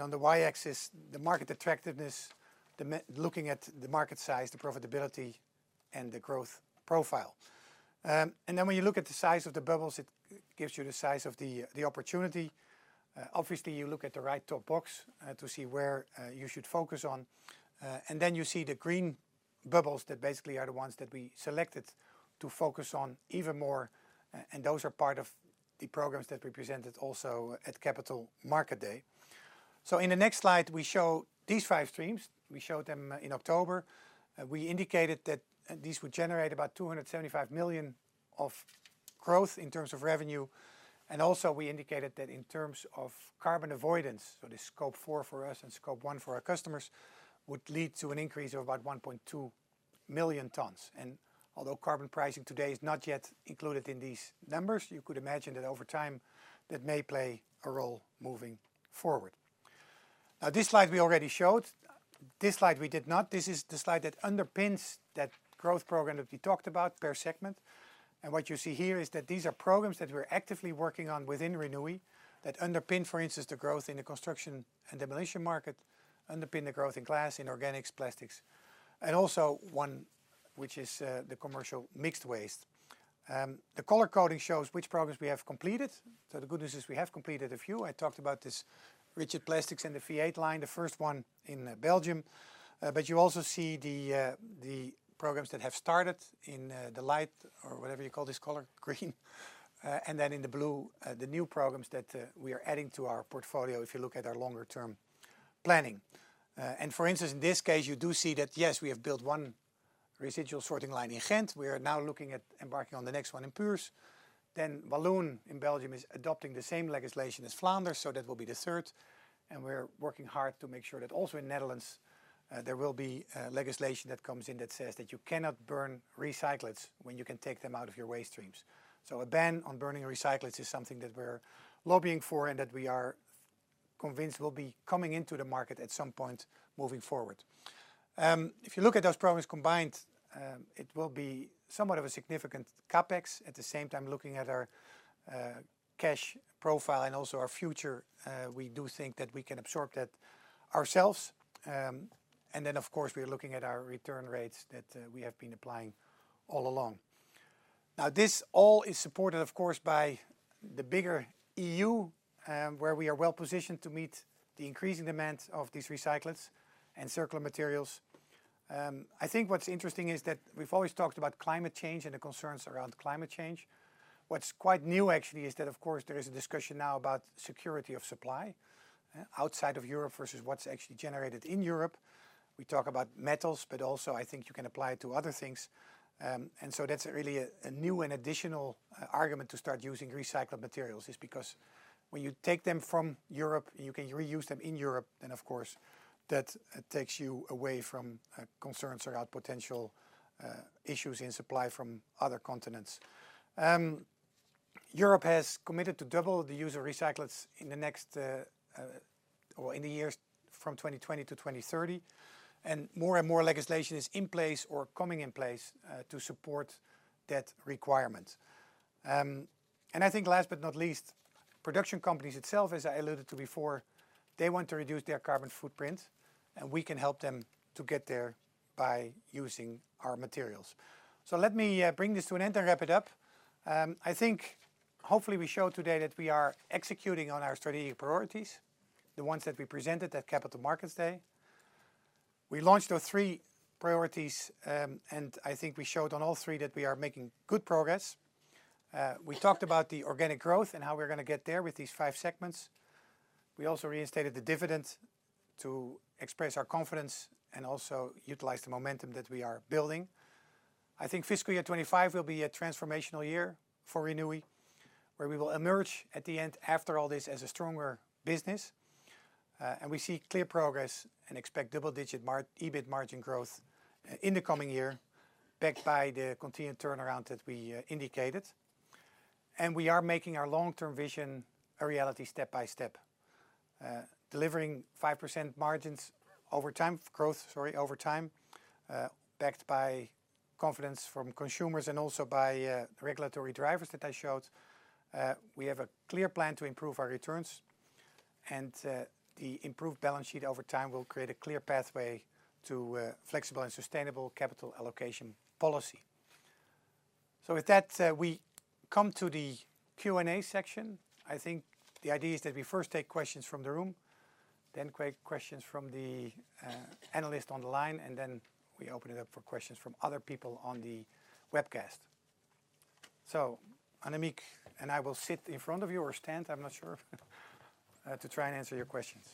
On the Y-axis, the market attractiveness, looking at the market size, the profitability, and the growth profile. Then when you look at the size of the bubbles, it gives you the size of the opportunity. Obviously, you look at the right top box to see where you should focus on. And then you see the green bubbles that basically are the ones that we selected to focus on even more. And those are part of the programs that we presented also at Capital Markets Day. So in the next slide, we show these five streams. We showed them in October. We indicated that these would generate about 275 million of growth in terms of revenue. And also we indicated that in terms of carbon avoidance, so the Scope 4 for us and Scope 1 for our customers would lead to an increase of about 1.2 million tons. And although carbon pricing today is not yet included in these numbers, you could imagine that over time that may play a role moving forward. Now, this slide we already showed. This slide we did not. This is the slide that underpins that growth program that we talked about per segment. And what you see here is that these are programs that we're actively working on within Renewi that underpin, for instance, the growth in the construction and demolition market, underpin the growth in glass, in organics, plastics, and also one which is the commercial mixed waste. The color coding shows which programs we have completed. So the good news is we have completed a few. I talked about this rigid plastics and the V8 line, the first one in Belgium. But you also see the programs that have started in the light or whatever you call this color, green, and then in the blue, the new programs that we are adding to our portfolio if you look at our longer term planning. And for instance, in this case, you do see that yes, we have built one residual sorting line in Ghent. We are now looking at embarking on the next one in Puurs, then Wallonia in Belgium is adopting the same legislation as Flanders, so that will be the third, and we're working hard to make sure that also in Netherlands there will be legislation that comes in that says that you cannot burn recyclables when you can take them out of your waste streams, so a ban on burning recyclables is something that we're lobbying for and that we are convinced will be coming into the market at some point moving forward. If you look at those programs combined, it will be somewhat of a significant CapEx. At the same time, looking at our cash profile and also our future, we do think that we can absorb that ourselves, and then, of course, we are looking at our return rates that we have been applying all along. Now, this all is supported, of course, by the bigger EU, where we are well positioned to meet the increasing demand of these recycled and circular materials. I think what's interesting is that we've always talked about climate change and the concerns around climate change. What's quite new, actually, is that, of course, there is a discussion now about security of supply outside of Europe versus what's actually generated in Europe. We talk about metals, but also I think you can apply it to other things. And so that's really a new and additional argument to start using recycled materials is because when you take them from Europe and you can reuse them in Europe, then of course that takes you away from concerns about potential issues in supply from other continents. Europe has committed to double the use of recycled in the next or in the years from 2020 to 2030, and more and more legislation is in place or coming in place to support that requirement, and I think last but not least, production companies itself, as I alluded to before, they want to reduce their carbon footprint, and we can help them to get there by using our materials, so let me bring this to an end and wrap it up. I think hopefully we showed today that we are executing on our strategic priorities, the ones that we presented at Capital Markets Day. We launched our three priorities, and I think we showed on all three that we are making good progress. We talked about the organic growth and how we're going to get there with these five segments. We also reinstated the dividend to express our confidence and also utilize the momentum that we are building. I think ni fiscal year 25 will be a transformational year for Renewi, where we will emerge at the end after all this as a stronger business, and we see clear progress and expect double-digit EBIT margin growth in the coming year, backed by the continu8ed turnaround that we indicated, and we are making our long-term vision a reality step by step, delivering 5% margins over time, growth, sorry, over time, backed by confidence from consumers and also by regulatory drivers that I showed. We have a clear plan to improve our returns, and the improved balance sheet over time will create a clear pathway to flexible and sustainable capital allocation policy. So with that, we come to the Q&A section. I think the idea is that we first take questions from the room, then questions from the analyst on the line, and then we open it up for questions from other people on the webcast. So Annemieke and I will sit in front of your stand, I'm not sure, to try and answer your questions.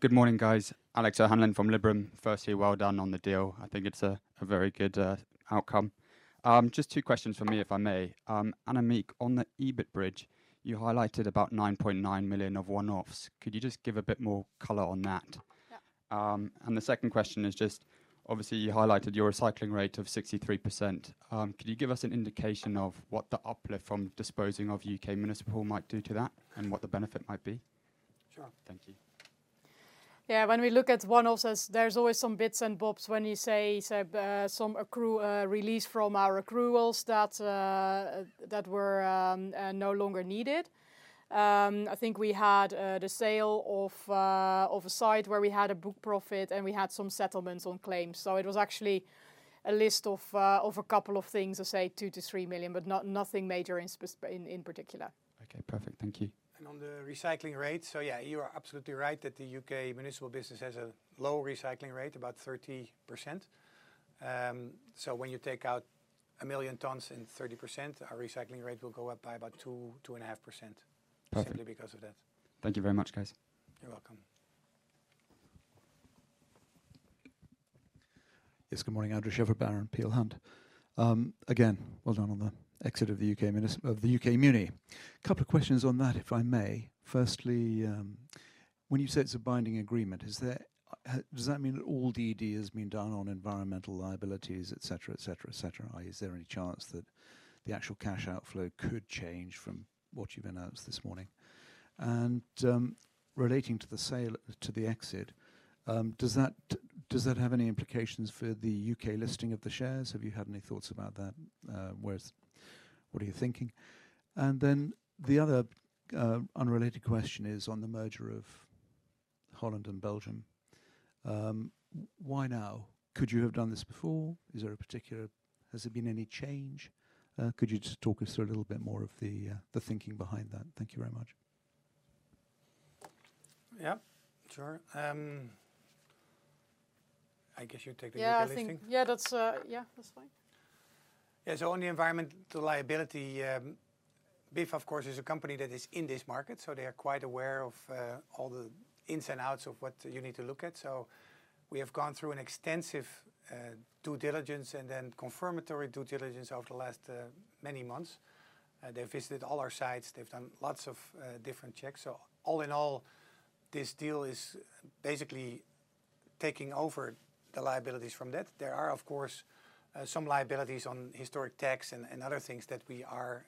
Good morning, guys. Alex O'Hanlon from Liberum, firstly, well done on the deal. I think it's a very good outcome. Just two questions for me, if I may. Annemieke, on the EBIT bridge, you highlighted about 9.9 million of one-offs. Could you just give a bit more color on that? And the second question is just, obviously, you highlighted your recycling rate of 63%. Could you give us an indication of what the uplift from disposing of UK municipal might do to that and what the benefit might be? Sure. Thank you. Yeah, when we look at one-offs, there's always some bits and bobs when you say some release from our accruals that were no longer needed. I think we had the sale of a site where we had a book profit and we had some settlements on claims. So it was actually a list of a couple of things to say 2-3 million, but nothing major in particular. Okay, perfect. Thank you. And on the recycling rate, so yeah, you are absolutely right that the UK municipal business has a low recycling rate, about 30%. So when you take out a million tons and 30%, our recycling rate will go up by about 2-2.5% simply because of that. Thank you very much, guys. You're welcome. Yes, good morning, Andrew Shepherd-Barron, Peel Hunt again. Well done on the exit of the UK of the UK Muni. A couple of questions on that, if I may. Firstly, when you say it's a binding agreement, does that mean that all DD has been done on environmental liabilities, etc., etc., etc.? Is there any chance that the actual cash outflow could change from what you've announced this morning? And relating to the sale, to the exit, does that have any implications for the UK listing of the shares? Have you had any thoughts about that? What are you thinking? And then the other unrelated question is on the merger of Holland and Belgium. Why now? Could you have done this before? Is there a particular, has there been any change? Could you just talk us through a little bit more of the thinking behind that? Thank you very much. Yeah, sure. I guess you take the earlier thing. Yeah, I think, yeah, that's fine. Yeah, so on the environmental liability, Biffa, of course, is a company that is in this market, so they are quite aware of all the ins and outs of what you need to look at. So we have gone through an extensive due diligence and then confirmatory due diligence over the last many months. They've visited all our sites. They've done lots of different checks. So all in all, this deal is basically taking over the liabilities from that. There are, of course, some liabilities on historic tax and other things that we are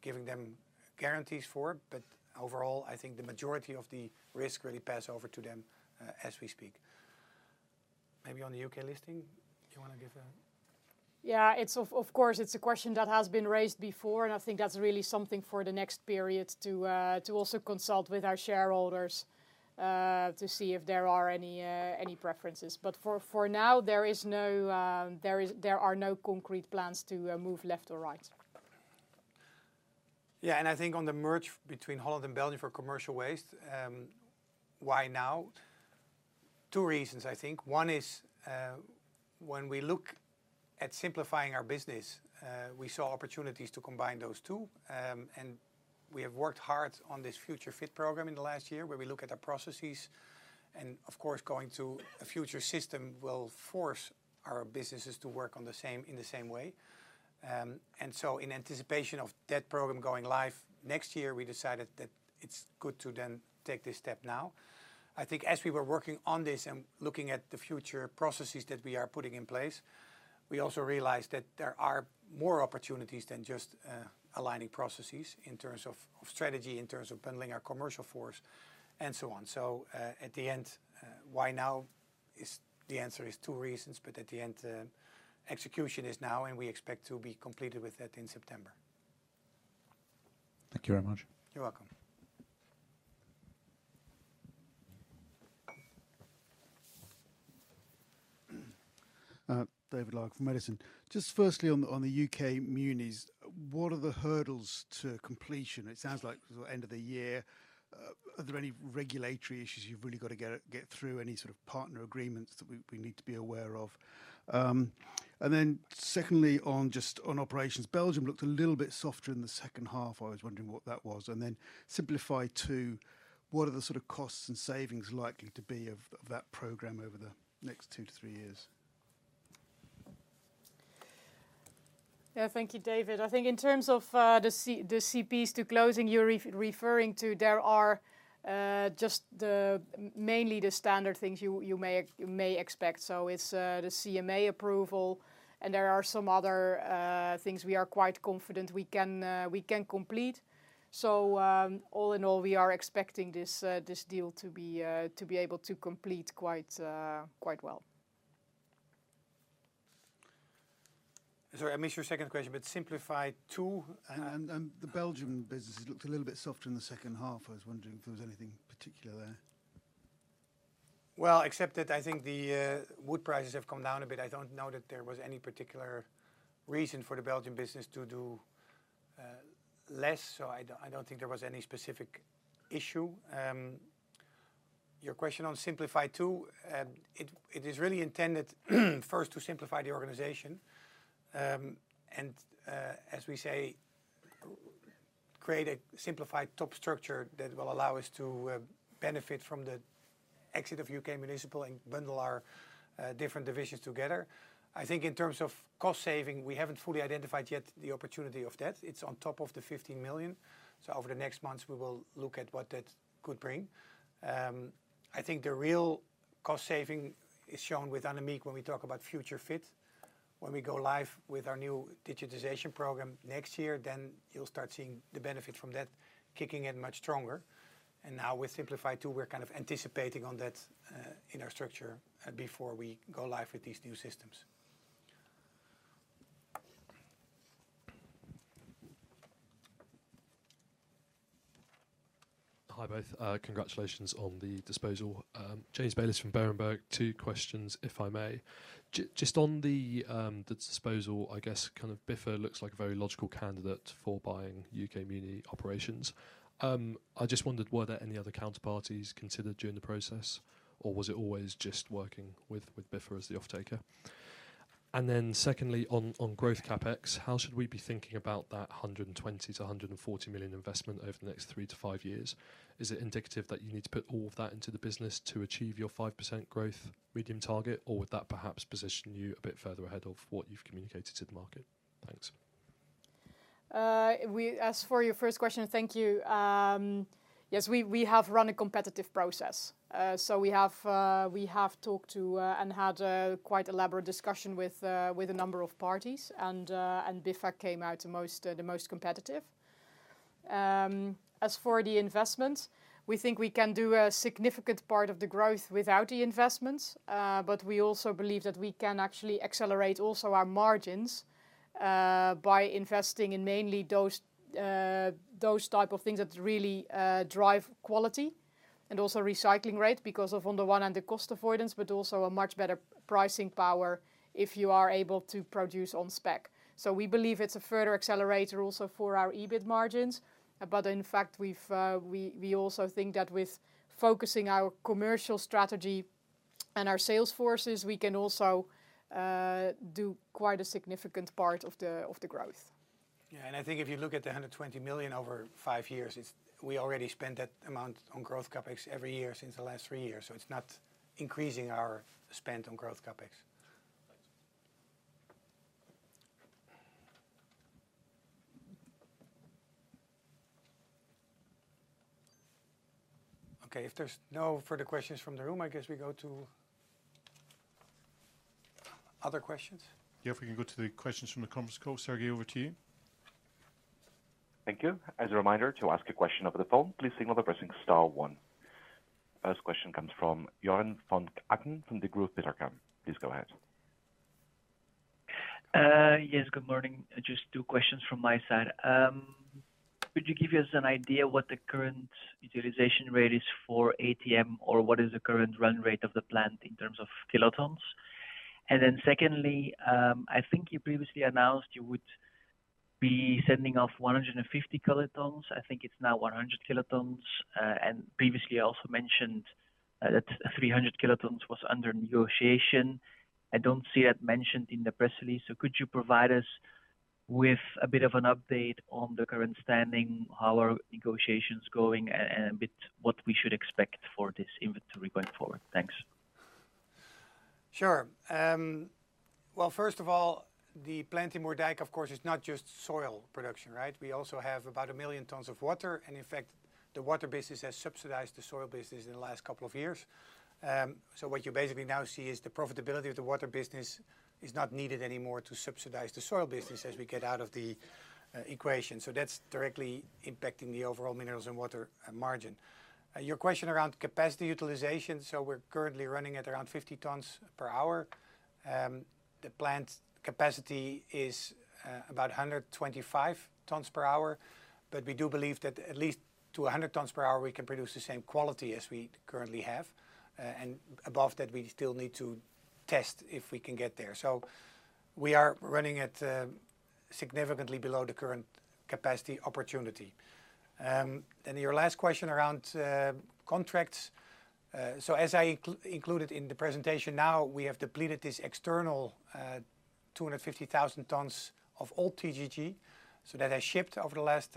giving them guarantees for. But overall, I think the majority of the risk really passes over to them as we speak. Maybe on the UK listing, do you want to give a? Yeah, of course, it's a question that has been raised before, and I think that's really something for the next period to also consult with our shareholders to see if there are any preferences. But for now, there are no concrete plans to move left or right. Yeah, and I think on the merge between Holland and Belgium for commercial waste, why now? Two reasons, I think. One is when we look at simplifying our business, we saw opportunities to combine those two. And we have worked hard on this Future Fit program in the last year where we look at our processes. And of course, going to a future system will force our businesses to work in the same way. And so in anticipation of that program going live next year, we decided that it's good to then take this step now. I think as we were working on this and looking at the future processes that we are putting in place, we also realized that there are more opportunities than just aligning processes in terms of strategy, in terms of bundling our commercial force and so on. So at the end, why now? The answer is two reasons, but at the end, execution is now, and we expect to be completed with that in September. Thank you very much. You're welcome. David Larkam from Edison. Just firstly on the UK Munis, what are the hurdles to completion? It sounds like sort of end of the year. Are there any regulatory issues you've really got to get through? Any sort of partner agreements that we need to be aware of? And then secondly, on just on operations, Belgium looked a little bit softer in the second half. I was wondering what that was. And then Simplify II, what are the sort of costs and savings likely to be of that program over the next two to three years? Yeah, thank you, David. I think in terms of the CPs to closing, you're referring to there are just mainly the standard things you may expect. So it's the CMA approval, and there are some other things we are quite confident we can complete. So all in all, we are expecting this deal to be able to complete quite well. Sorry, I missed your second question, but Simplify II. And the Belgian business looked a little bit softer in the second half. I was wondering if there was anything particular there. Well, except that I think the wood prices have come down a bit. I don't know that there was any particular reason for the Belgian business to do less. So I don't think there was any specific issue. Your question on Simplify to, it is really intended first to simplify the organization and, as we say, create a simplified top structure that will allow us to benefit from the exit of UK municipal and bundle our different divisions together. I think in terms of cost saving, we haven't fully identified yet the opportunity of that. It's on top of the 15 million. So over the next months, we will look at what that could bring. I think the real cost saving is shown with Annemieke when we talk about Future Fit. When we go live with our new digitization program next year, then you'll start seeing the benefit from that kicking in much stronger. And now with Simplify too, we're kind of anticipating on that in our structure before we go live with these new systems. Hi both, congratulations on the disposal. James Bayliss from Berenberg, two questions if I may. Just on the disposal, I guess kind of Biffa looks like a very logical candidate for buying UK Muni operations. I just wondered were there any other counterparties considered during the process, or was it always just working with Biffa as the offtaker? And then secondly, on growth CapEx, how should we be thinking about that 120 million-140 million investment over the next three to five years? Is it indicative that you need to put all of that into the business to achieve your 5% growth medium target, or would that perhaps position you a bit further ahead of what you've communicated to the market? Thanks. As for your first question, thank you. Yes, we have run a competitive process. So we have talked to and had quite elaborate discussion with a number of parties, and Biffa came out the most competitive. As for the investments, we think we can do a significant part of the growth without the investments, but we also believe that we can actually accelerate also our margins by investing in mainly those type of things that really drive quality and also recycling rate because of, on the one hand, the cost avoidance, but also a much better pricing power if you are able to produce on spec. So we believe it's a further accelerator also for our EBIT margins. But in fact, we also think that with focusing our commercial strategy and our sales forces, we can also do quite a significant part of the growth. Yeah, and I think if you look at the 120 million over five years, we already spent that amount on growth CapEx every year since the last three years. So it's not increasing our spend on growth CapEx. Okay, if there's no further questions from the room, I guess we go to other questions. Yeah, if we can go to the questions from the conference call, Sergey, over to you. Thank you. As a reminder, to ask a question over the phone, please signal by pressing star one. First question comes from Joren Van Aken from Degroof Petercam. Please go ahead. Yes, good morning. Just two questions from my side. Could you give us an idea what the current utilization rate is for ATM or what is the current run rate of the plant in terms of kilotons? And then, secondly, I think you previously announced you would be sending off 150 kilotons. I think it's now 100 kilotons. And previously, I also mentioned that 300 kilotons was under negotiation. I don't see that mentioned in the press release. So could you provide us with a bit of an update on the current standing, how are negotiations going, and a bit what we should expect for this inventory going forward? Thanks. Sure. Well, first of all, the plant in Moerdijk, of course, is not just soil production, right? We also have about a million tons of water. And in fact, the water business has subsidized the soil business in the last couple of years. So what you basically now see is the profitability of the water business is not needed anymore to subsidize the soil business as we get out of the equation. So that's directly impacting the overall minerals and water margin. Your question around capacity utilization, so we're currently running at around 50 tons per hour. The plant capacity is about 125 tons per hour, but we do believe that at least to 100 tons per hour, we can produce the same quality as we currently have. And above that, we still need to test if we can get there. So we are running at significantly below the current capacity opportunity. And your last question around contracts, so as I included in the presentation now, we have depleted this external 250,000 tons of old TGG. So that has shipped over the last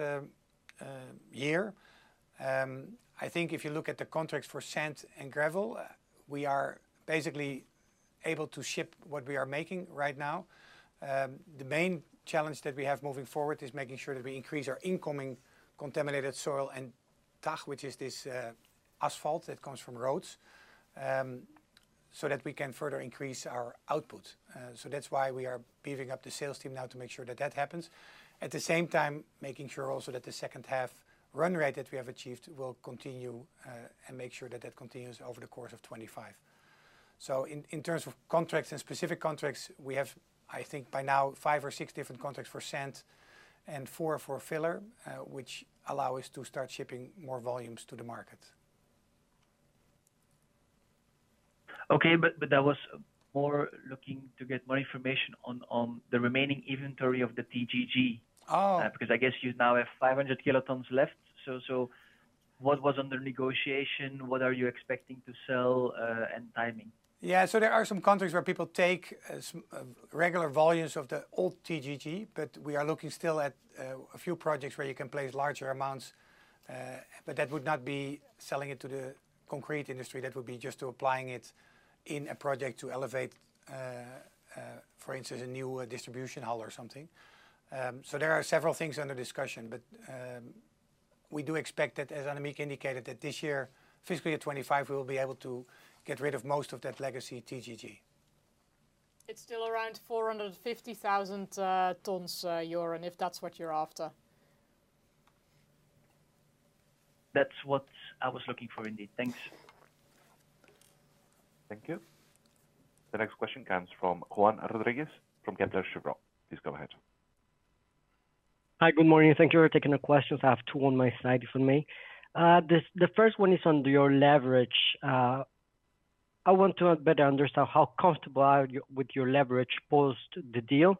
year. I think if you look at the contracts for sand and gravel, we are basically able to ship what we are making right now. The main challenge that we have moving forward is making sure that we increase our incoming contaminated soil and TAG, which is this asphalt that comes from roads, so that we can further increase our output. So that's why we are beefing up the sales team now to make sure that that happens. At the same time, making sure also that the second half run rate that we have achieved will continue and make sure that that continues over the course of 2025. So in terms of contracts and specific contracts, we have, I think by now, five or six different contracts for sand and four for filler, which allow us to start shipping more volumes to the market. Okay, but that was more looking to get more information on the remaining inventory of the TGG. Because I guess you now have 500 kilotons left. So what was under negotiation? What are you expecting to sell and timing? Yeah, so there are some countries where people take regular volumes of the old TGG, but we are looking still at a few projects where you can place larger amounts, but that would not be selling it to the concrete industry. That would be just applying it in a project to elevate, for instance, a new distribution hall or something. So there are several things under discussion, but we do expect that, as Annemieke indicated, that this year, fiscal year 25, we will be able to get rid of most of that legacy TGG. It's still around 450,000 tons, Joren, if that's what you're after. That's what I was looking for indeed. Thanks. Thank you. The next question comes from Juan Rodriguez from Kepler Cheuvreux. Please go ahead. Hi, good morning. Thank you for taking the questions. I have two on my side for me. The first one is on your leverage. I want to better understand how comfortable are you with your leverage post the deal.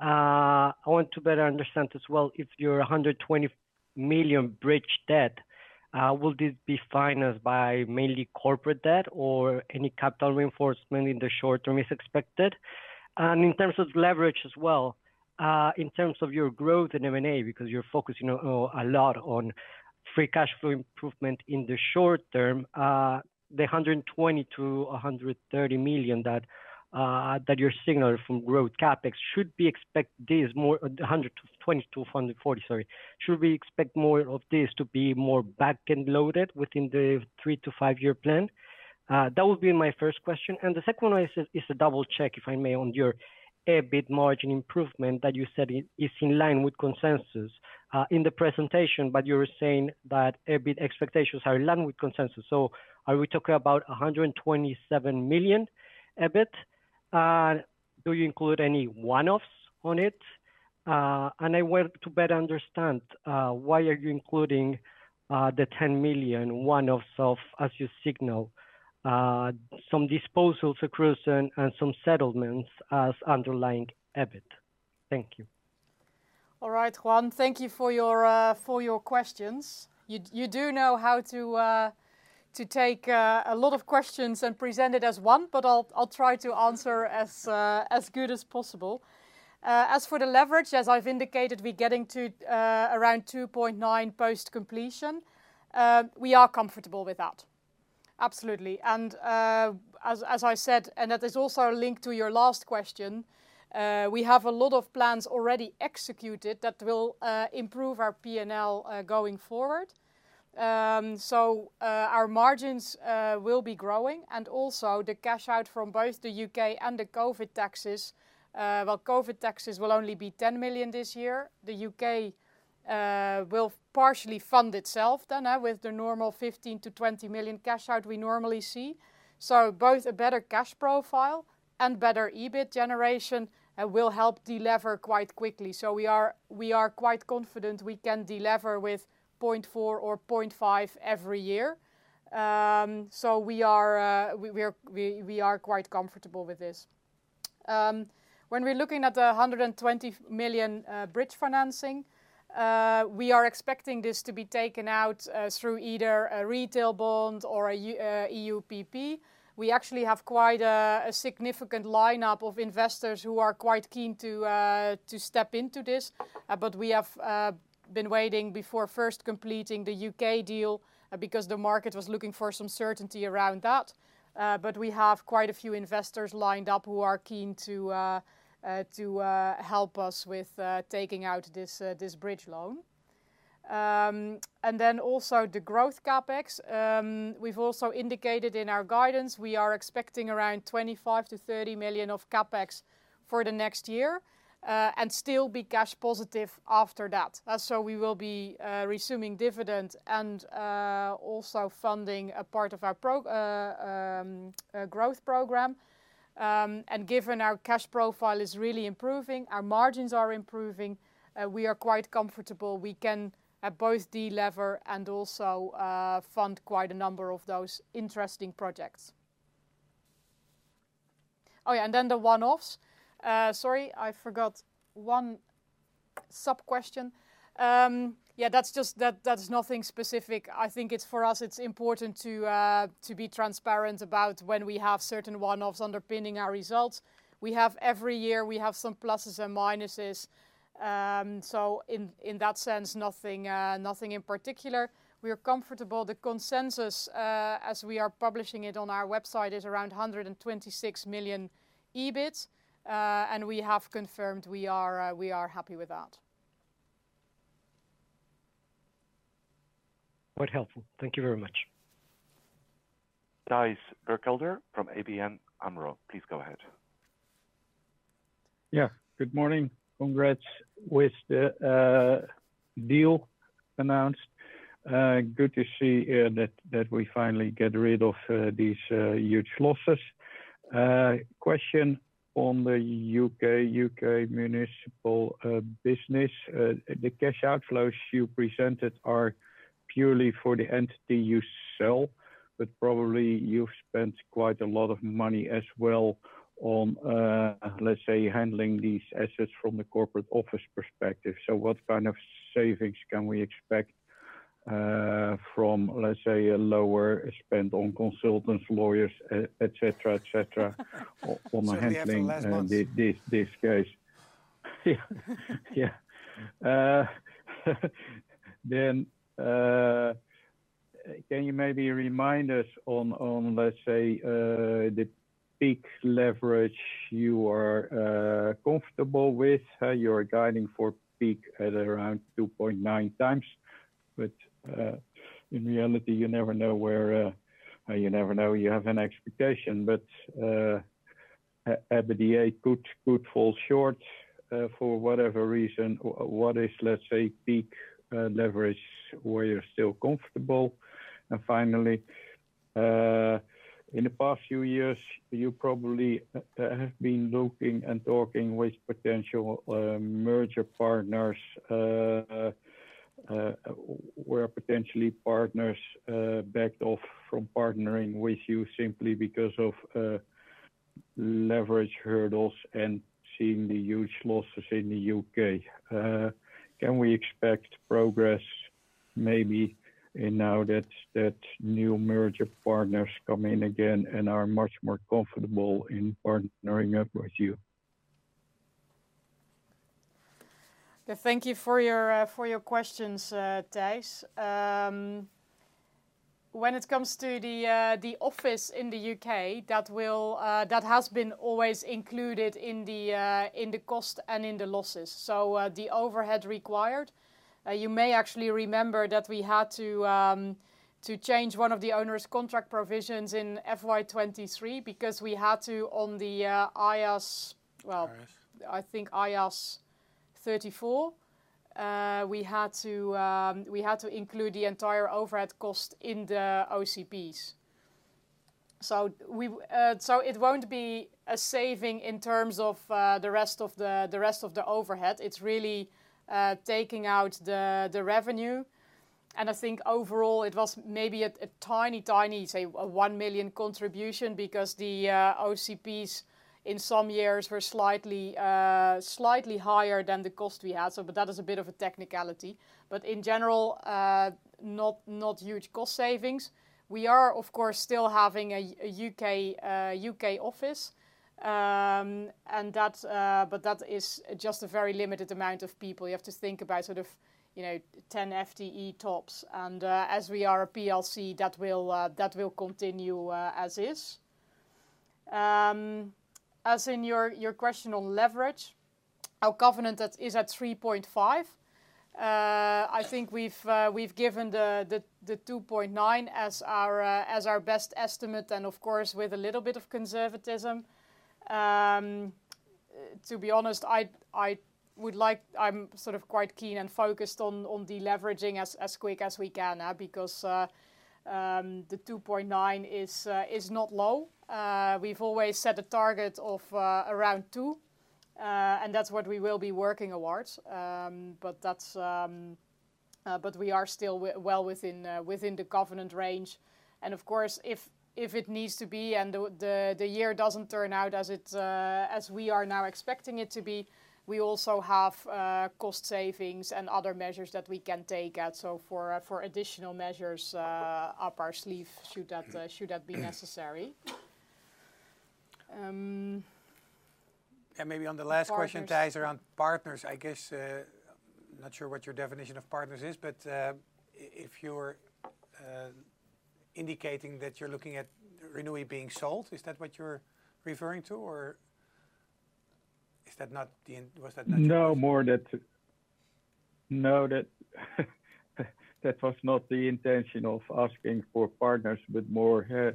I want to better understand as well if your €120 million bridge debt will this be financed by mainly corporate debt or any capital reinforcement in the short term is expected? And in terms of leverage as well, in terms of your growth in M&A, because you are focusing a lot on free cash flow improvement in the short term, the €120-€130 million that you are signaling from growth CapEx. Should we expect more of this to be more back-end loaded within the three- to five-year plan? That would be my first question. And the second one is a double check, if I may, on your EBIT margin improvement that you said is in line with consensus in the presentation, but you're saying that EBIT expectations are in line with consensus. So are we talking about 127 million EBIT? Do you include any one-offs on it? And I want to better understand why are you including the 10 million one-offs of, as you signal, some disposals, accruals, and some settlements as underlying EBIT? Thank you. All right, Juan, thank you for your questions. You do know how to take a lot of questions and present it as one, but I'll try to answer as good as possible. As for the leverage, as I've indicated, we're getting to around 2.9 post completion. We are comfortable with that. Absolutely. And as I said, and that is also a link to your last question, we have a lot of plans already executed that will improve our P&L going forward. So our margins will be growing. And also the cash out from both the UK and the COVID taxes. Well, COVID taxes will only be 10 million this year. The UK will partially fund itself then with the normal 15-20 million cash out we normally see. So both a better cash profile and better EBIT generation will help deliver quite quickly. So we are quite confident we can deliver with 0.4 or 0.5 every year. So we are quite comfortable with this. When we're looking at the 120 million bridge financing, we are expecting this to be taken out through either a retail bond or an EU PP. We actually have quite a significant lineup of investors who are quite keen to step into this. But we have been waiting before first completing the UK deal because the market was looking for some certainty around that. But we have quite a few investors lined up who are keen to help us with taking out this bridge loan. And then also the growth capex, we've also indicated in our guidance, we are expecting around 25 million-30 million of capex for the next year and still be cash positive after that. So we will be resuming dividend and also funding a part of our growth program. And given our cash profile is really improving, our margins are improving, we are quite comfortable. We can both delever and also fund quite a number of those interesting projects. Oh yeah, and then the one-offs. Sorry, I forgot one sub-question. Yeah, that's just nothing specific. I think for us, it's important to be transparent about when we have certain one-offs underpinning our results. We have every year, we have some pluses and minuses. So in that sense, nothing in particular. We are comfortable. The consensus, as we are publishing it on our website, is around 126 million EBIT. And we have confirmed we are happy with that. Quite helpful. Thank you very much. Thijs Berkelder from ABN AMRO. Please go ahead. Yeah, good morning. Congrats with the deal announced. Good to see that we finally get rid of these huge losses. Question on the UK, UK municipal business. The cash outflows you presented are purely for the entity you sell, but probably you've spent quite a lot of money as well on, let's say, handling these assets from the corporate office perspective. So what kind of savings can we expect from, let's say, a lower spend on consultants, lawyers, etc., etc. on handling this case? Yeah. Then can you maybe remind us on, let's say, the peak leverage you are comfortable with? You're guiding for peak at around 2.9 times, but in reality, you never know where you never know you have an expectation. But EBITDA could fall short for whatever reason. What is, let's say, peak leverage where you're still comfortable? And finally, in the past few years, you probably have been looking and talking with potential merger partners where potentially partners backed off from partnering with you simply because of leverage hurdles and seeing the huge losses in the U.K. Can we expect progress maybe in now that new merger partners come in again and are much more comfortable in partnering up with you? Thank you for your questions, Thijs. When it comes to the office in the UK, that has been always included in the cost and in the losses. So the overhead required, you may actually remember that we had to change one of the onerous contract provisions in FY 2023 because we had to on the IAS, well, I think IAS 34, we had to include the entire overhead cost in the OCPs. So it won't be a saving in terms of the rest of the overhead. It's really taking out the revenue. And I think overall, it was maybe a tiny, tiny, say, one million contribution because the OCPs in some years were slightly higher than the cost we had. So that is a bit of a technicality. But in general, not huge cost savings. We are, of course, still having a UK office, but that is just a very limited amount of people. You have to think about sort of 10 FTE tops, and as we are a PLC, that will continue as is. As in your question on leverage, our covenant is at 3.5. I think we've given the 2.9 as our best estimate, and of course, with a little bit of conservatism. To be honest, I would like. I'm sort of quite keen and focused on deleveraging as quick as we can because the 2.9 is not low. We've always set a target of around two, and that's what we will be working towards, but we are still well within the covenant range, and of course, if it needs to be and the year doesn't turn out as we are now expecting it to be, we also have cost savings and other measures that we can take out, so for additional measures up our sleeve, should that be necessary. Yeah, maybe on the last question, Thijs, around partners, I guess I'm not sure what your definition of partners is, but if you're indicating that you're looking at Renewi being sold, is that what you're referring to, or was that not your intention? No, that was not the intention of asking for partners, but more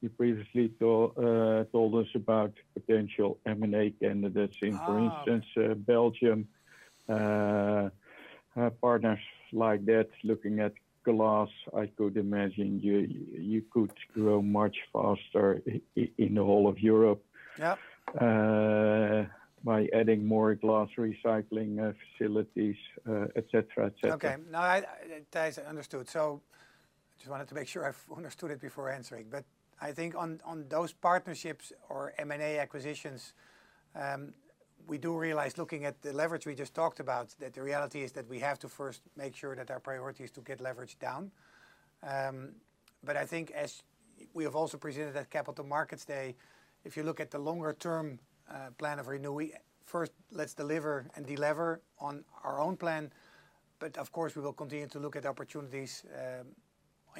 you previously told us about potential M&A candidates in, for instance, Belgium. Partners like that, looking at glass, I could imagine you could grow much faster in the whole of Europe by adding more glass recycling facilities, etc., etc. Okay. No, Thijs, understood. So I just wanted to make sure I understood it before answering. But I think on those partnerships or M&A acquisitions, we do realize looking at the leverage we just talked about that the reality is that we have to first make sure that our priority is to get leverage down. But I think as we have also presented at Capital Markets Day, if you look at the longer-term plan of Renewi, first, let's deliver and deliver on our own plan. But of course, we will continue to look at opportunities in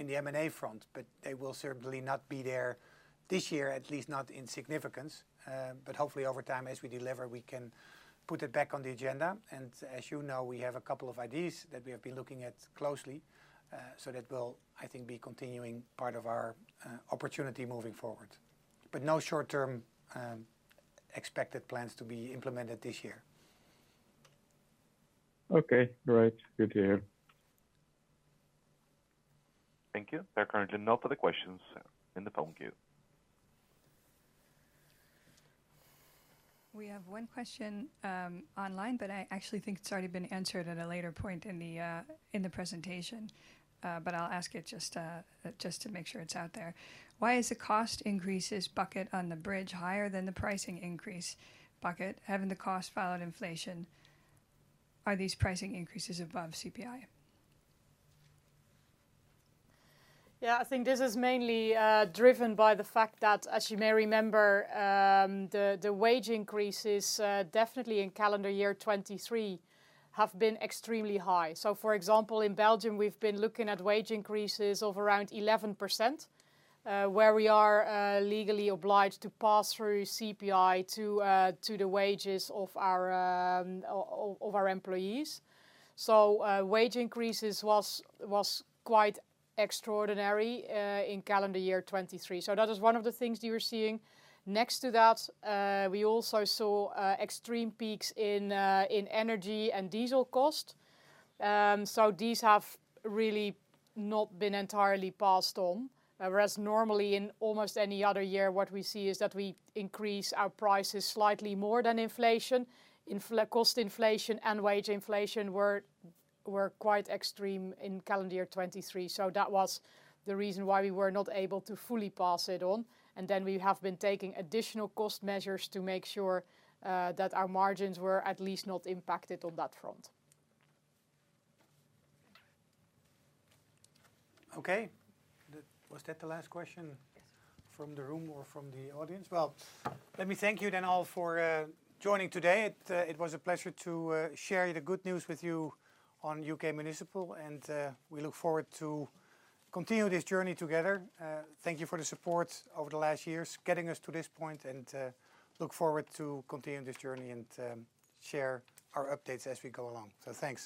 the M&A front, but they will certainly not be there this year, at least not in significance. But hopefully over time, as we deliver, we can put it back on the agenda. And as you know, we have a couple of ideas that we have been looking at closely. So that will, I think, be a continuing part of our opportunity moving forward. But no short-term expected plans to be implemented this year. Okay, great. Good to hear. Thank you. There are currently no further questions in the phone queue. We have one question online, but I actually think it's already been answered at a later point in the presentation. But I'll ask it just to make sure it's out there. Why is the cost increases bucket on the bridge higher than the pricing increase bucket? Having the cost followed inflation, are these pricing increases above CPI? Yeah, I think this is mainly driven by the fact that, as you may remember, the wage increases definitely in calendar year 2023 have been extremely high. So for example, in Belgium, we've been looking at wage increases of around 11%, where we are legally obliged to pass through CPI to the wages of our employees. So wage increases was quite extraordinary in calendar year 2023. So that is one of the things you're seeing. Next to that, we also saw extreme peaks in energy and diesel cost. So these have really not been entirely passed on. Whereas normally in almost any other year, what we see is that we increase our prices slightly more than inflation. Cost inflation and wage inflation were quite extreme in calendar year 2023. So that was the reason why we were not able to fully pass it on. And then we have been taking additional cost measures to make sure that our margins were at least not impacted on that front. Okay. Was that the last question from the room or from the audience? Well, let me thank you then all for joining today. It was a pleasure to share the good news with you on UK Municipal. And we look forward to continue this journey together. Thank you for the support over the last years getting us to this point. Look forward to continuing this journey and share our updates as we go along. Thanks.